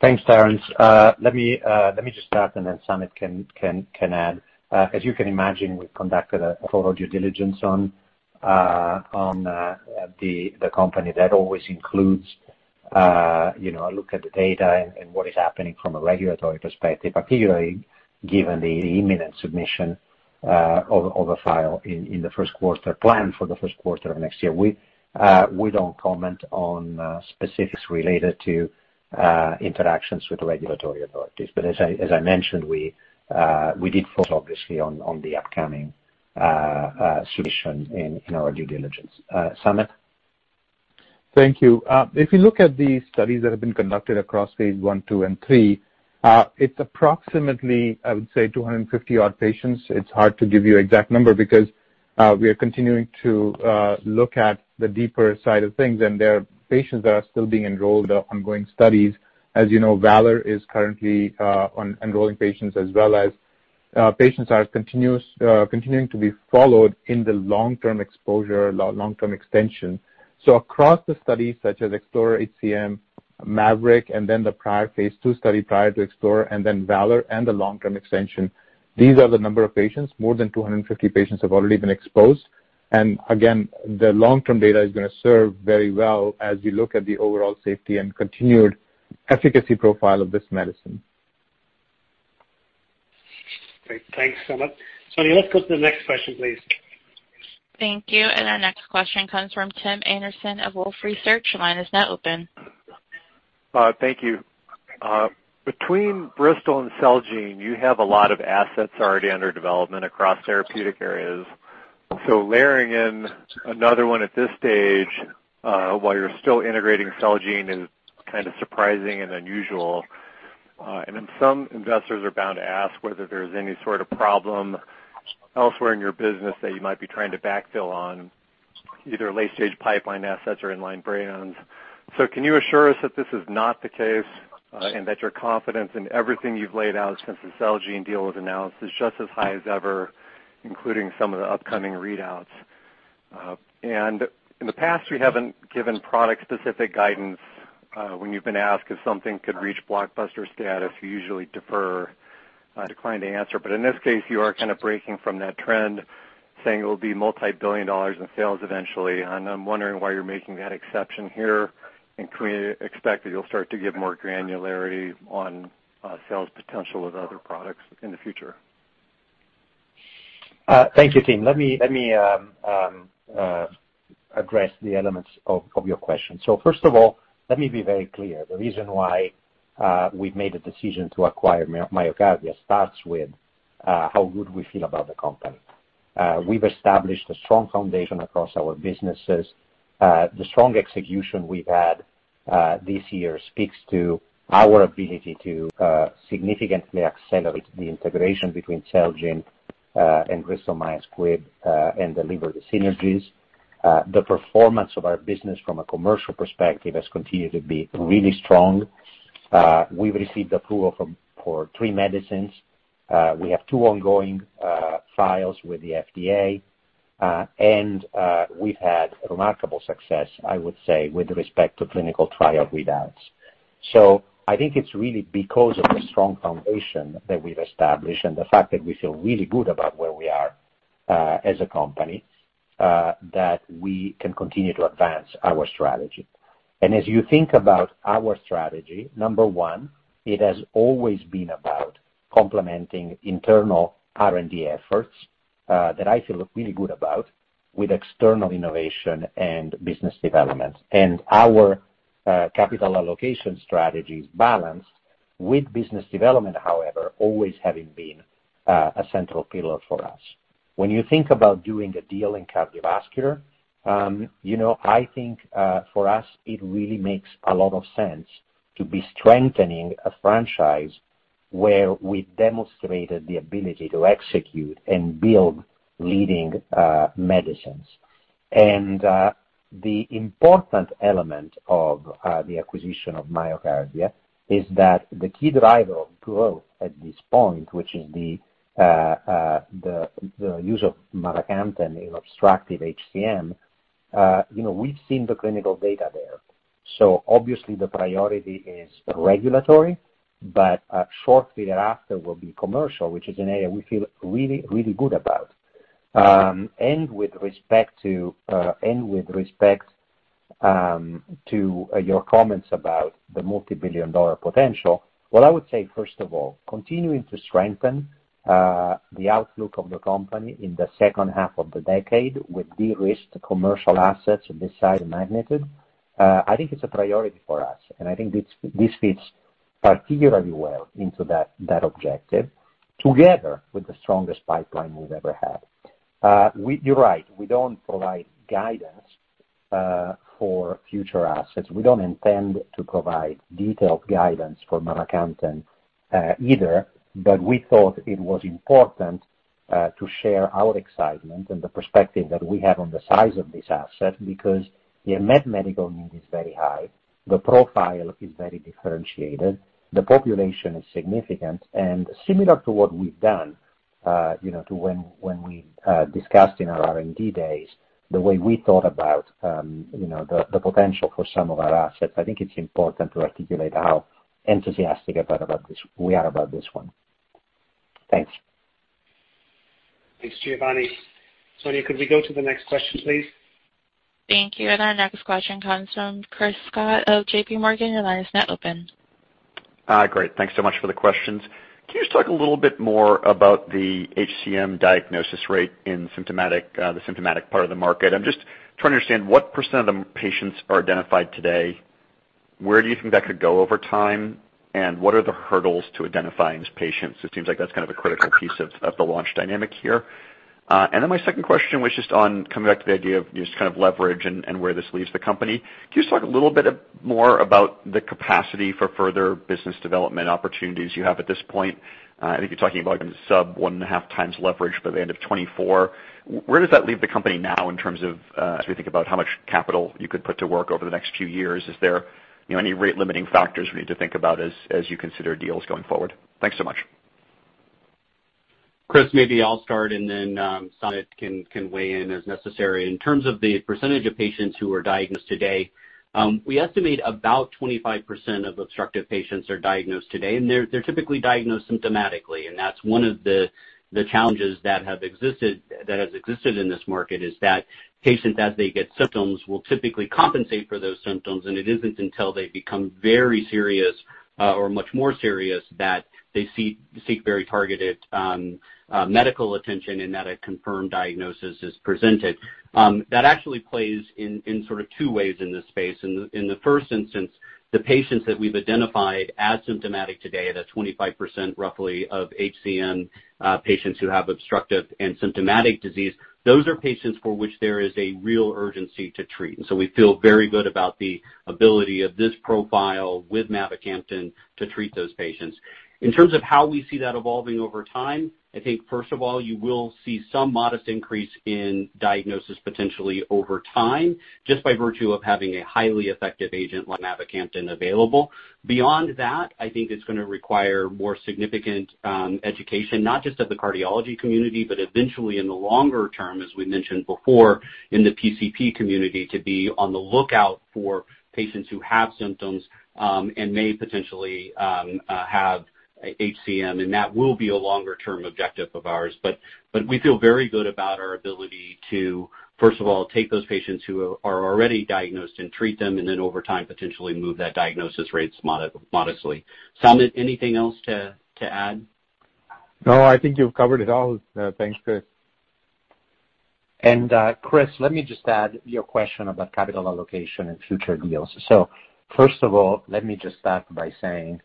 Thanks, Terence. Let me just start, then Samit can add. As you can imagine, we've conducted a thorough due diligence on the company. That always includes a look at the data and what is happening from a regulatory perspective, particularly given the imminent submission of a file planned for the first quarter of next year. We don't comment on specifics related to interactions with regulatory authorities. As I mentioned, we did focus, obviously, on the upcoming submission in our due diligence. Samit? Thank you. If you look at the studies that have been conducted across phase I, II, and III, it's approximately, I would say, 250 odd patients. It's hard to give you an exact number because we are continuing to look at the deeper side of things, and there are patients that are still being enrolled, the ongoing studies. As you know, VALOR is currently enrolling patients as well as patients are continuing to be followed in the long-term exposure, long-term extension. Across the studies such as EXPLORER-HCM, MAVERICK, and then the prior phase II study prior to EXPLORER-HCM, and then VALOR and the long-term extension, these are the number of patients. More than 250 patients have already been exposed. Again, the long-term data is going to serve very well as we look at the overall safety and continued efficacy profile of this medicine. Great. Thanks, Samit. Sonia, let's go to the next question, please. Thank you. Our next question comes from Tim Anderson of Wolfe Research. Your line is now open. Thank you. Between Bristol and Celgene, you have a lot of assets already under development across therapeutic areas. Layering in another one at this stage, while you're still integrating Celgene is kind of surprising and unusual. Then some investors are bound to ask whether there's any sort of problem elsewhere in your business that you might be trying to backfill on, either late-stage pipeline assets or in-line brands. Can you assure us that this is not the case, and that your confidence in everything you've laid out since the Celgene deal was announced is just as high as ever, including some of the upcoming readouts? In the past, you haven't given product-specific guidance. When you've been asked if something could reach blockbuster status, you usually defer, decline to answer. In this case, you are kind of breaking from that trend, saying it will be multi-billion dollars in sales eventually. I'm wondering why you're making that exception here, and can we expect that you'll start to give more granularity on sales potential of other products in the future? Thank you, Tim. Let me address the elements of your question. First of all, let me be very clear. The reason why we've made a decision to acquire MyoKardia starts with how good we feel about the company. We've established a strong foundation across our businesses. The strong execution we've had this year speaks to our ability to significantly accelerate the integration between Celgene and Bristol Myers Squibb, and deliver the synergies. The performance of our business from a commercial perspective has continued to be really strong. We've received approval for three medicines. We have two ongoing files with the FDA. We've had remarkable success, I would say, with respect to clinical trial readouts. I think it's really because of the strong foundation that we've established and the fact that we feel really good about where we are as a company that we can continue to advance our strategy. As you think about our strategy, number one, it has always been about complementing internal R&D efforts that I feel really good about with external innovation and business development. Our capital allocation strategy is balanced with business development, however, always having been a central pillar for us. When you think about doing a deal in cardiovascular, I think, for us, it really makes a lot of sense to be strengthening a franchise where we demonstrated the ability to execute and build leading medicines. The important element of the acquisition of MyoKardia is that the key driver of growth at this point, which is the use of mavacamten in obstructive HCM. We've seen the clinical data there. Obviously the priority is regulatory, but shortly thereafter will be commercial, which is an area we feel really, really good about. With respect to your comments about the multi-billion dollar potential, what I would say, first of all, continuing to strengthen the outlook of the company in the second half of the decade with de-risked commercial assets of this size and magnitude, I think it's a priority for us, and I think this fits particularly well into that objective together with the strongest pipeline we've ever had. You're right, we don't provide guidance for future assets. We don't intend to provide detailed guidance for mavacamten either, but we thought it was important to share our excitement and the perspective that we have on the size of this asset because the unmet medical need is very high, the profile is very differentiated, the population is significant, and similar to what we've done to when we discussed in our R&D days, the way we thought about the potential for some of our assets. I think it's important to articulate how enthusiastic we are about this one. Thanks. Thanks, Giovanni. Sonia, could we go to the next question, please? Thank you. Our next question comes from Chris Schott of JPMorgan, your line is now open. Great. Thanks so much for the questions. Can you just talk a little bit more about the HCM diagnosis rate in the symptomatic part of the market? I'm just trying to understand what percent of the patients are identified today, where do you think that could go over time, and what are the hurdles to identifying these patients? It seems like that's kind of a critical piece of the launch dynamic here. My second question was just on coming back to the idea of just kind of leverage and where this leaves the company. Can you just talk a little bit more about the capacity for further business development opportunities you have at this point? I think you're talking about sub 1.5x leverage by the end of 2024. Where does that leave the company now in terms of as we think about how much capital you could put to work over the next few years? Is there any rate-limiting factors we need to think about as you consider deals going forward? Thanks so much. Chris, maybe I'll start and then Samit can weigh in as necessary. In terms of the percentage of patients who are diagnosed today, we estimate about 25% of obstructive patients are diagnosed today, and they're typically diagnosed symptomatically, and that's one of the challenges that has existed in this market is that patients, as they get symptoms, will typically compensate for those symptoms, and it isn't until they become very serious or much more serious that they seek very targeted medical attention and that a confirmed diagnosis is presented. That actually plays in sort of two ways in this space. In the first instance, the patients that we've identified as symptomatic today, that 25% roughly of HCM patients who have obstructive and symptomatic disease, those are patients for which there is a real urgency to treat. We feel very good about the ability of this profile with mavacamten to treat those patients. In terms of how we see that evolving over time, I think first of all, you will see some modest increase in diagnosis potentially over time just by virtue of having a highly effective agent like mavacamten available. Beyond that, I think it's going to require more significant education, not just of the cardiology community, but eventually in the longer term, as we mentioned before, in the PCP community to be on the lookout for patients who have symptoms and may potentially have HCM. That will be a longer-term objective of ours. We feel very good about our ability to first of all take those patients who are already diagnosed and treat them, and then over time potentially move that diagnosis rates modestly. Samit, anything else to add? No, I think you've covered it all. Thanks, Chris. Chris, let me just add to your question about capital allocation and future deals. First of all, let me just start by saying,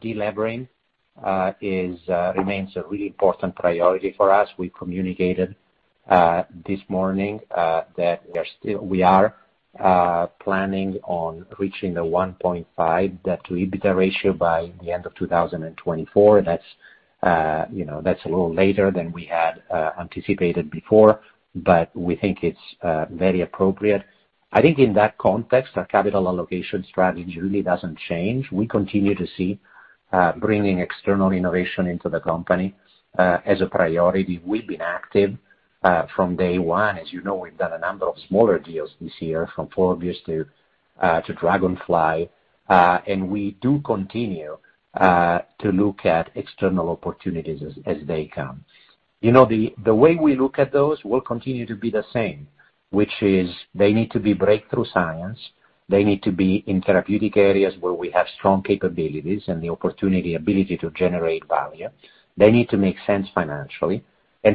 delevering remains a really important priority for us. We communicated this morning that we are planning on reaching the 1.5 debt-to-EBITDA ratio by the end of 2024. That's a little later than we had anticipated before, but we think it's very appropriate. I think in that context, our capital allocation strategy really doesn't change. We continue to see bringing external innovation into the company as a priority. We've been active from day one. As you know, we've done a number of smaller deals this year from Forbius to Dragonfly, and we do continue to look at external opportunities as they come. The way we look at those will continue to be the same, which is they need to be breakthrough science, they need to be in therapeutic areas where we have strong capabilities and the opportunity, ability to generate value. They need to make sense financially.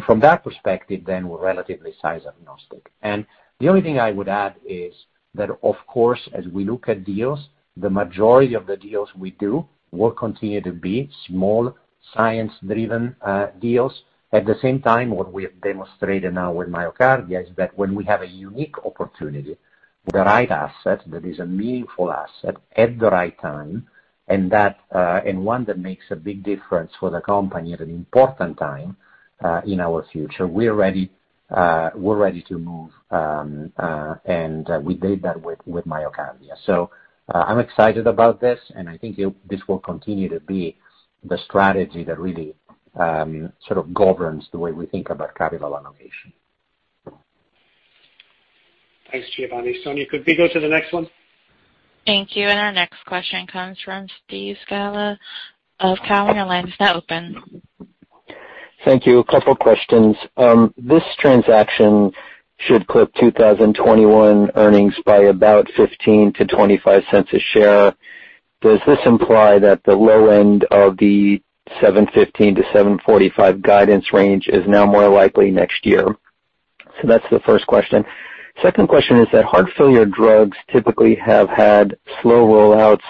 From that perspective then, we're relatively size-agnostic. The only thing I would add is that, of course as we look at deals, the majority of the deals we do will continue to be small science-driven deals. At the same time, what we have demonstrated now with MyoKardia is that when we have a unique opportunity with the right asset that is a meaningful asset at the right time, and one that makes a big difference for the company at an important time in our future, we're ready to move and we did that with MyoKardia. I'm excited about this, and I think this will continue to be the strategy that really sort of governs the way we think about capital allocation. Thanks, Giovanni. Sonia, could we go to the next one? Thank you. Our next question comes from Steve Scala of Cowen. Your line is now open. Thank you. A couple of questions. This transaction should clip 2021 earnings by about $0.15-$0.25 a share. Does this imply that the low end of the $7.15-$7.45 guidance range is now more likely next year? That's the first question. Second question is that heart failure drugs typically have had slow roll-outs,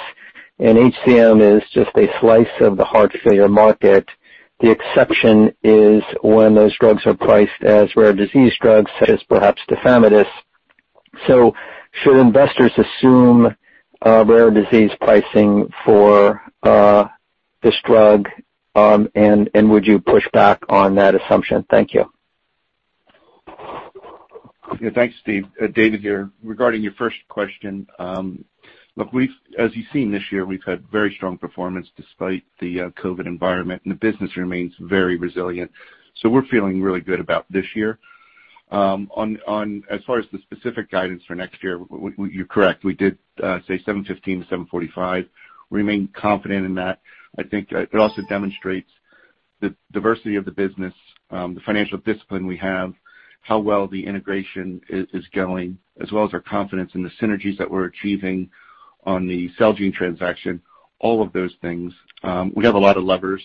and HCM is just a slice of the heart failure market. The exception is when those drugs are priced as rare disease drugs, such as perhaps tafamidis. Should investors assume rare disease pricing for this drug? Would you push back on that assumption? Thank you. Yeah. Thanks, Steve. David here. Regarding your first question, look, as you've seen this year, we've had very strong performance despite the COVID environment, and the business remains very resilient. We're feeling really good about this year. As far as the specific guidance for next year, you're correct. We did say $7.15-$7.45. Remain confident in that. I think it also demonstrates the diversity of the business, the financial discipline we have, how well the integration is going, as well as our confidence in the synergies that we're achieving on the Celgene transaction, all of those things. We have a lot of levers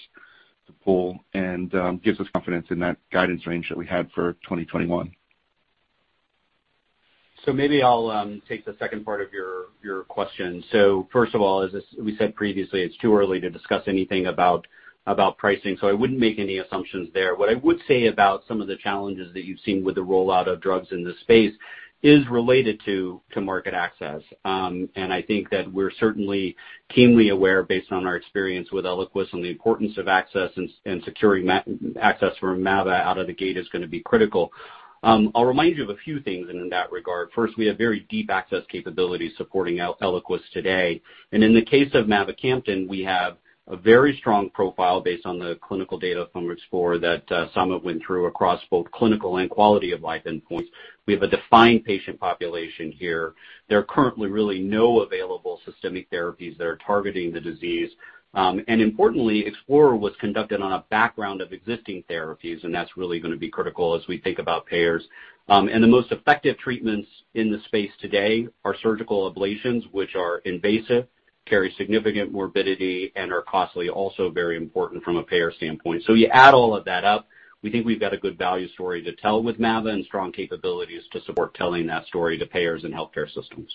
to pull and gives us confidence in that guidance range that we had for 2021. Maybe I'll take the second part of your question. First of all, as we said previously, it's too early to discuss anything about pricing, so I wouldn't make any assumptions there. What I would say about some of the challenges that you've seen with the rollout of drugs in this space is related to market access. I think that we're certainly keenly aware, based on our experience with ELIQUIS, on the importance of access, and securing access for mavacamten out of the gate is going to be critical. I'll remind you of a few things in that regard. First, we have very deep access capabilities supporting ELIQUIS today. In the case of mavacamten, we have a very strong profile based on the clinical data from EXPLORER that some have went through across both clinical and quality of life endpoints. We have a defined patient population here. There are currently really no available systemic therapies that are targeting the disease. Importantly, EXPLORER was conducted on a background of existing therapies, and that's really going to be critical as we think about payers. The most effective treatments in the space today are surgical ablations, which are invasive, carry significant morbidity, and are costly, also very important from a payer standpoint. You add all of that up, we think we've got a good value story to tell with mava and strong capabilities to support telling that story to payers and healthcare systems.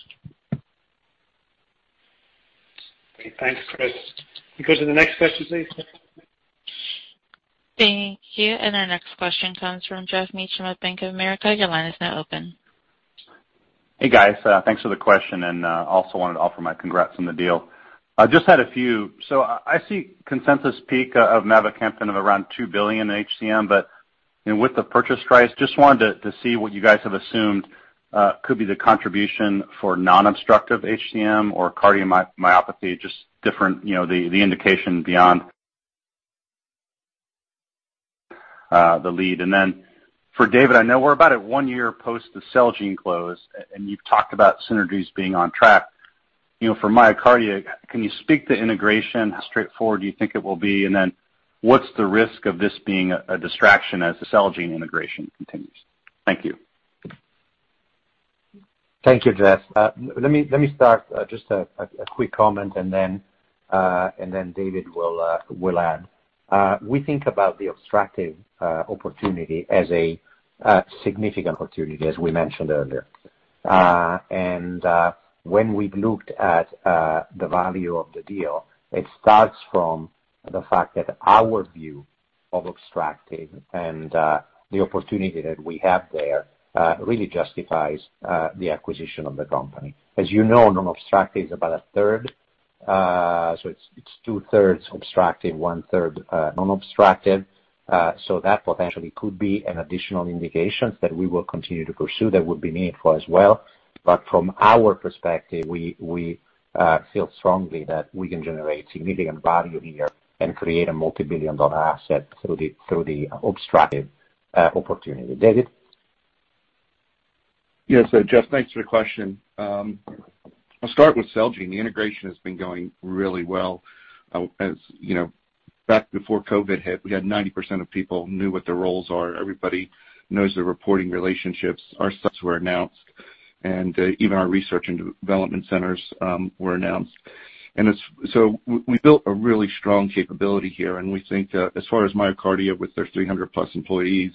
Okay. Thanks, Chris. Can we go to the next question, please? Thank you. Our next question comes from Geoff Meacham of Bank of America. Your line is now open. Hey, guys. Thanks for the question. Also wanted to offer my congrats on the deal. I just had a few. I see consensus peak of mavacamten of around $2 billion in HCM. With the purchase price, just wanted to see what you guys have assumed could be the contribution for non-obstructive HCM or cardiomyopathy, just different, the indication beyond the lead. For David, I know we're about at one year post the Celgene close. You've talked about synergies being on track. For MyoKardia, can you speak to integration? How straightforward do you think it will be? What's the risk of this being a distraction as the Celgene integration continues? Thank you. Thank you, Geoff. Let me start. Just a quick comment, then David will add. We think about the obstructive opportunity as a significant opportunity, as we mentioned earlier. When we've looked at the value of the deal, it starts from the fact that our view of obstructive and the opportunity that we have there really justifies the acquisition of the company. As you know, non-obstructive is about a third. It's two-thirds obstructive, one-third non-obstructive. That potentially could be an additional indication that we will continue to pursue that would be meaningful as well. From our perspective, we feel strongly that we can generate significant value here and create a multibillion-dollar asset through the obstructive opportunity. David? Yeah. Geoff, thanks for the question. I'll start with Celgene. The integration has been going really well. As you know, back before COVID hit, we had 90% of people knew what their roles are. Everybody knows their reporting relationships. Our subs were announced, and even our research and development centers were announced. We built a really strong capability here, and we think as far as MyoKardia, with their 300+ employees,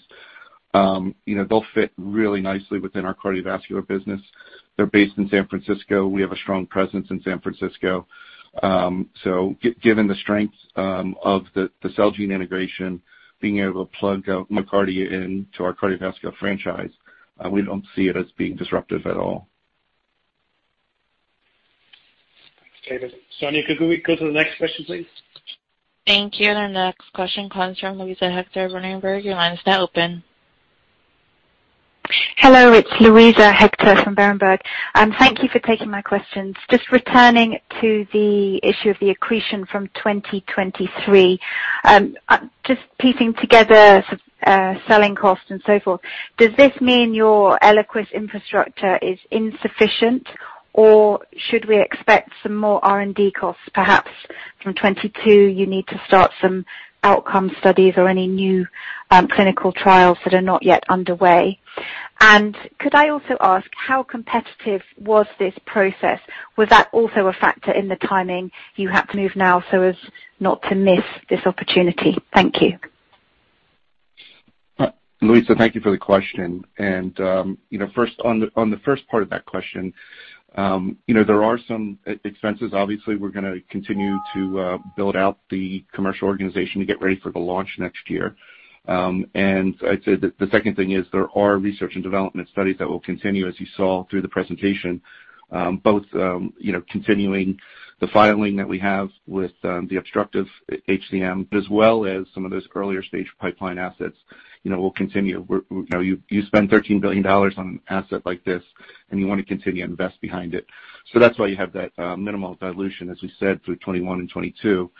they'll fit really nicely within our cardiovascular business. They're based in San Francisco. We have a strong presence in San Francisco. Given the strength of the Celgene integration, being able to plug MyoKardia into our cardiovascular franchise, we don't see it as being disruptive at all. Thanks, David. Sonia, could we go to the next question, please? Thank you. The next question comes from Luisa Hector, Berenberg. Your line is now open. Hello. It's Luisa Hector from Berenberg. Thank you for taking my questions. Just returning to the issue of the accretion from 2023. Just piecing together selling costs and so forth, does this mean your ELIQUIS infrastructure is insufficient, or should we expect some more R&D costs perhaps? From 2022, you need to start some outcome studies or any new clinical trials that are not yet underway. Could I also ask, how competitive was this process? Was that also a factor in the timing? You had to move now so as not to miss this opportunity. Thank you. Luisa, thank you for the question. On the first part of that question, there are some expenses. Obviously, we're going to continue to build out the commercial organization to get ready for the launch next year. I'd say that the second thing is there are research and development studies that will continue, as you saw through the presentation, both continuing the filing that we have with the obstructive HCM as well as some of those earlier-stage pipeline assets will continue. You spend $13 billion on an asset like this, and you want to continue to invest behind it. That's why you have that minimal dilution, as we said, through 2021 and 2022.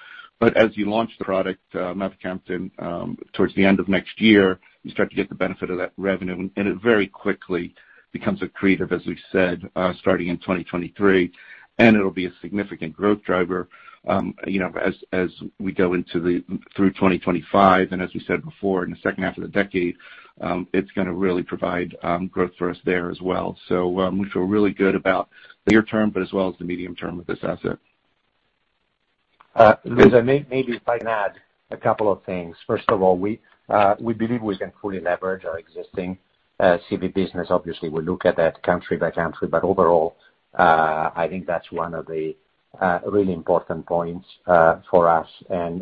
As you launch the product mavacamten towards the end of next year, you start to get the benefit of that revenue, and it very quickly becomes accretive, as we've said, starting in 2023. It'll be a significant growth driver as we go through 2025. As we said before, in the second half of the decade, it's going to really provide growth for us there as well. We feel really good about the near term, but as well as the medium term with this asset. Luisa, maybe if I can add a couple of things. First of all, we believe we can fully leverage our existing CV business. Obviously, we'll look at that country by country. Overall, I think that's one of the really important points for us.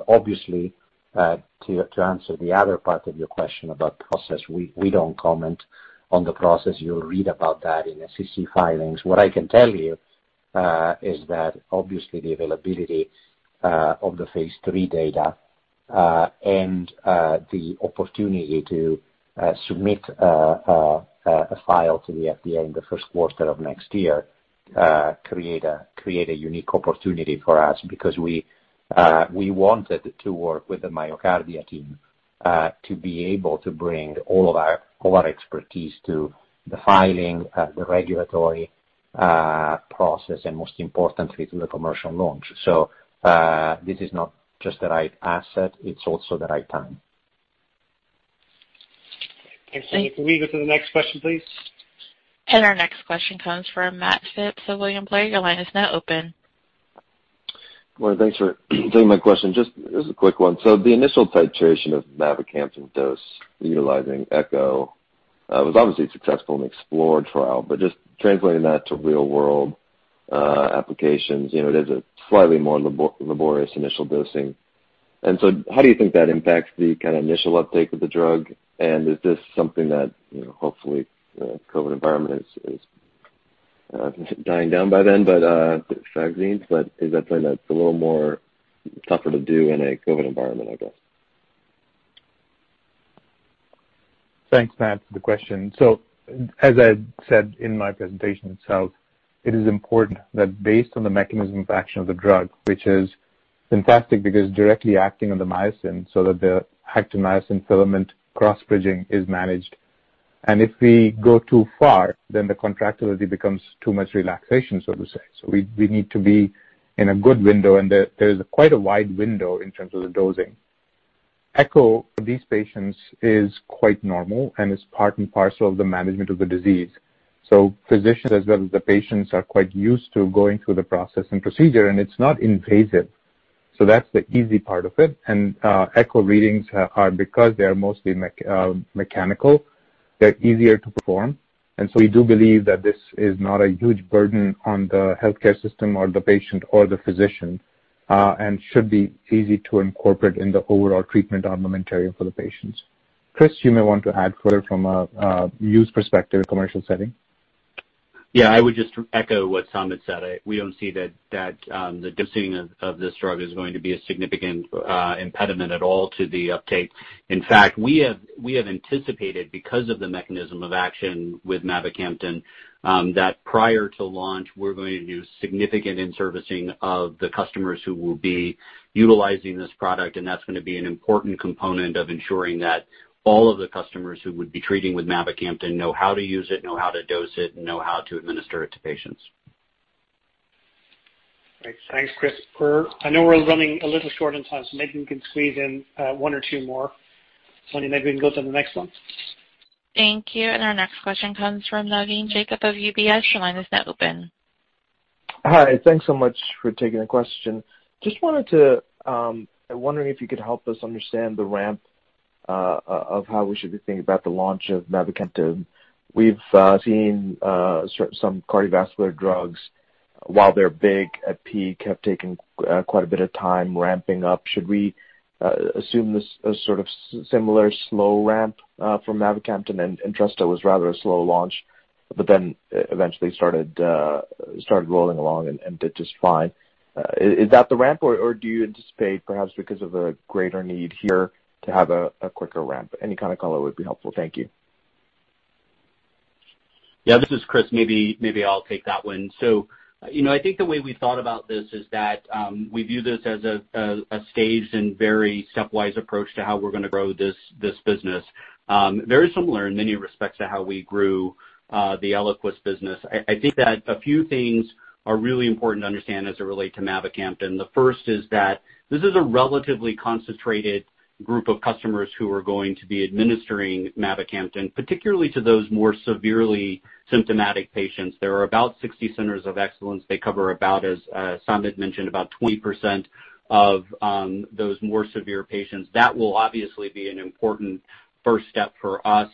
Obviously, to answer the other part of your question about process, we don't comment on the process. You'll read about that in SEC filings. What I can tell you is that obviously the availability of the phase III data and the opportunity to submit a file to the FDA in the first quarter of next year create a unique opportunity for us because we wanted to work with the MyoKardia team to be able to bring all of our expertise to the filing, the regulatory process, and most importantly, to the commercial launch. This is not just the right asset, it's also the right time. Thank you. Can we go to the next question, please? Our next question comes from Matt Phipps of William Blair. Your line is now open. Morning. Thanks for taking my question. This is a quick one. The initial titration of mavacamten dose utilizing echo was obviously successful in EXPLORER trial, but just translating that to real-world applications, it is a slightly more laborious initial dosing. How do you think that impacts the initial uptake of the drug? Is this something that, hopefully COVID environment is dying down by then, but is that something that's a little more tougher to do in a COVID environment, I guess? Thanks, Matt, for the question. As I said in my presentation itself, it is important that based on the mechanism of action of the drug, which is fantastic because directly acting on the myosin so that the actin-myosin filament cross-bridging is managed. If we go too far, then the contractility becomes too much relaxation, so to say. We need to be in a good window, and there's quite a wide window in terms of the dosing. Echo for these patients is quite normal and is part and parcel of the management of the disease. Physicians, as well as the patients, are quite used to going through the process and procedure, and it's not invasive. That's the easy part of it. Echo readings are because they are mostly mechanical, they're easier to perform. We do believe that this is not a huge burden on the healthcare system or the patient or the physician and should be easy to incorporate in the overall treatment armamentarium for the patients. Chris, you may want to add further from a use perspective, commercial setting. Yeah, I would just echo what Samit had said. We don't see that the dosing of this drug is going to be a significant impediment at all to the uptake. In fact, we have anticipated, because of the mechanism of action with mavacamten, that prior to launch, we're going to do significant in-servicing of the customers who will be utilizing this product, and that's going to be an important component of ensuring that all of the customers who would be treating with mavacamten know how to use it, know how to dose it, and know how to administer it to patients. Great. Thanks, Chris. I know we're running a little short on time, maybe we can squeeze in one or two more. Maybe we can go to the next one. Thank you. Our next question comes from Navin Jacob of UBS. Your line is now open. Hi. Thanks so much for taking the question. I'm wondering if you could help us understand the ramp of how we should be thinking about the launch of mavacamten. We've seen some cardiovascular drugs, while they're big at peak, have taken quite a bit of time ramping up. Should we assume this a sort of similar slow ramp for mavacamten? Entresto was rather a slow launch, but then eventually started rolling along and did just fine. Is that the ramp, or do you anticipate perhaps because of a greater need here to have a quicker ramp? Any kind of color would be helpful. Thank you. Yeah, this is Chris. Maybe I'll take that one. I think the way we thought about this is that we view this as a staged and very stepwise approach to how we're going to grow this business. Very similar in many respects to how we grew the ELIQUIS business. I think that a few things are really important to understand as it relate to mavacamten. The first is that this is a relatively concentrated group of customers who are going to be administering mavacamten, particularly to those more severely symptomatic patients. There are about 60 centers of excellence. They cover about, as Samit mentioned, about 20% of those more severe patients. That will obviously be an important first step for us.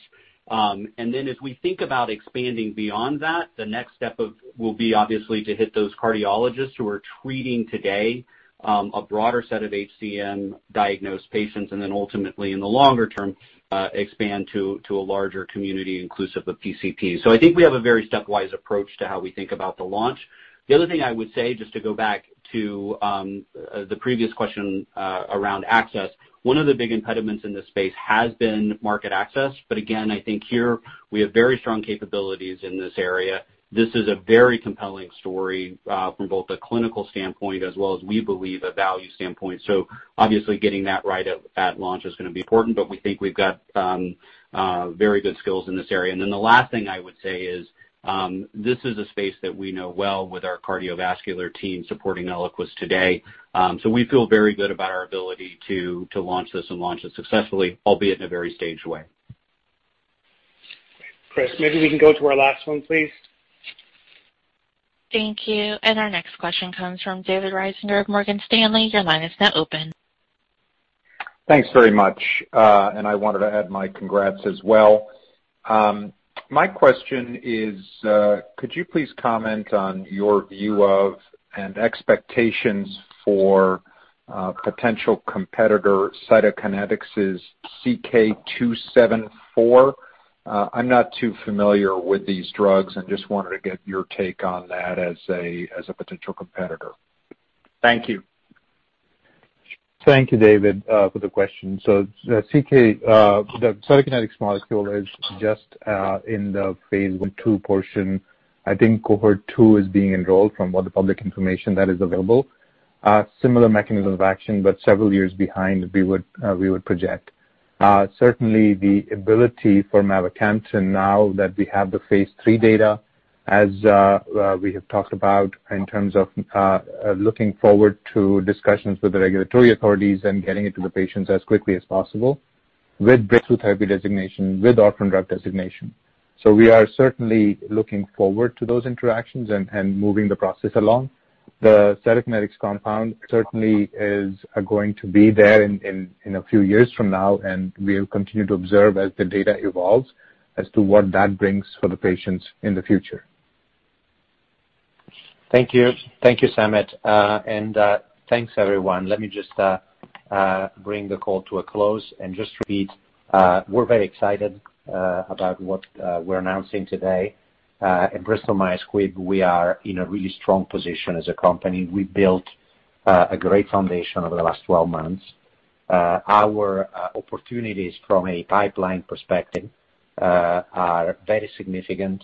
As we think about expanding beyond that, the next step will be obviously to hit those cardiologists who are treating today, a broader set of HCM diagnosed patients, and then ultimately in the longer term, expand to a larger community inclusive of PCPs. I think we have a very stepwise approach to how we think about the launch. The other thing I would say, just to go back to the previous question around access, one of the big impediments in this space has been market access. I think here we have very strong capabilities in this area. This is a very compelling story from both a clinical standpoint as well as, we believe, a value standpoint. Getting that right at launch is going to be important, but we think we've got very good skills in this area. The last thing I would say is this is a space that we know well with our cardiovascular team supporting ELIQUIS today. We feel very good about our ability to launch this and launch it successfully, albeit in a very staged way. Chris, maybe we can go to our last one, please. Thank you. Our next question comes from David Risinger of Morgan Stanley. Your line is now open. Thanks very much. I wanted to add my congrats as well. My question is could you please comment on your view of and expectations for potential competitor Cytokinetics' CK-274? I'm not too familiar with these drugs and just wanted to get your take on that as a potential competitor. Thank you. Thank you, David, for the question. The Cytokinetics molecule is just in the phase I, II portion. I think cohort 2 is being enrolled from all the public information that is available. Similar mechanism of action, but several years behind we would project. Certainly the ability for mavacamten now that we have the phase III data as we have talked about in terms of looking forward to discussions with the regulatory authorities and getting it to the patients as quickly as possible with Breakthrough Therapy Designation, with Orphan Drug Designation. We are certainly looking forward to those interactions and moving the process along. The Cytokinetics compound certainly is going to be there in a few years from now, and we'll continue to observe as the data evolves as to what that brings for the patients in the future. Thank you. Thank you, Samit. Thanks, everyone. Let me just bring the call to a close and just repeat we're very excited about what we're announcing today. At Bristol Myers Squibb, we are in a really strong position as a company. We built a great foundation over the last 12 months. Our opportunities from a pipeline perspective are very significant.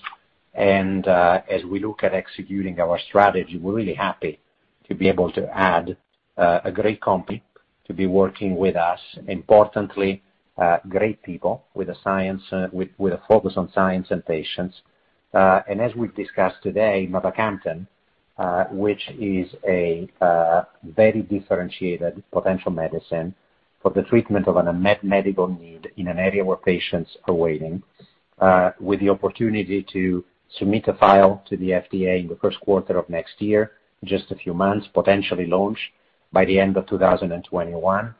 As we look at executing our strategy, we're really happy to be able to add a great company to be working with us. Importantly, great people with a focus on science and patients. As we've discussed today, mavacamten, which is a very differentiated potential medicine for the treatment of an unmet medical need in an area where patients are waiting with the opportunity to submit a file to the FDA in the first quarter of next year, just a few months, potentially launch by the end of 2021,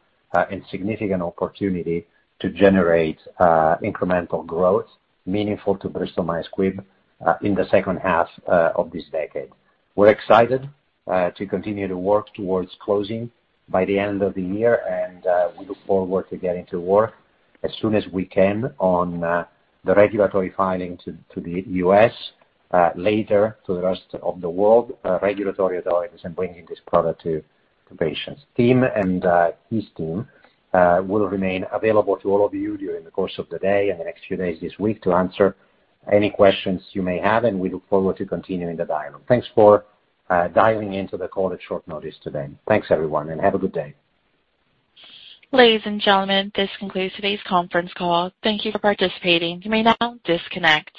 significant opportunity to generate incremental growth meaningful to Bristol Myers Squibb in the second half of this decade. We're excited to continue to work towards closing by the end of the year, and we look forward to getting to work as soon as we can on the regulatory filing to the U.S., later to the rest of the world, regulatory authorities, and bringing this product to patients. Tim and his team will remain available to all of you during the course of the day and the next few days this week to answer any questions you may have, and we look forward to continuing the dialogue. Thanks for dialing into the call at short notice today. Thanks, everyone, and have a good day. Ladies and gentlemen, this concludes today's conference call. Thank you for participating. You may now disconnect.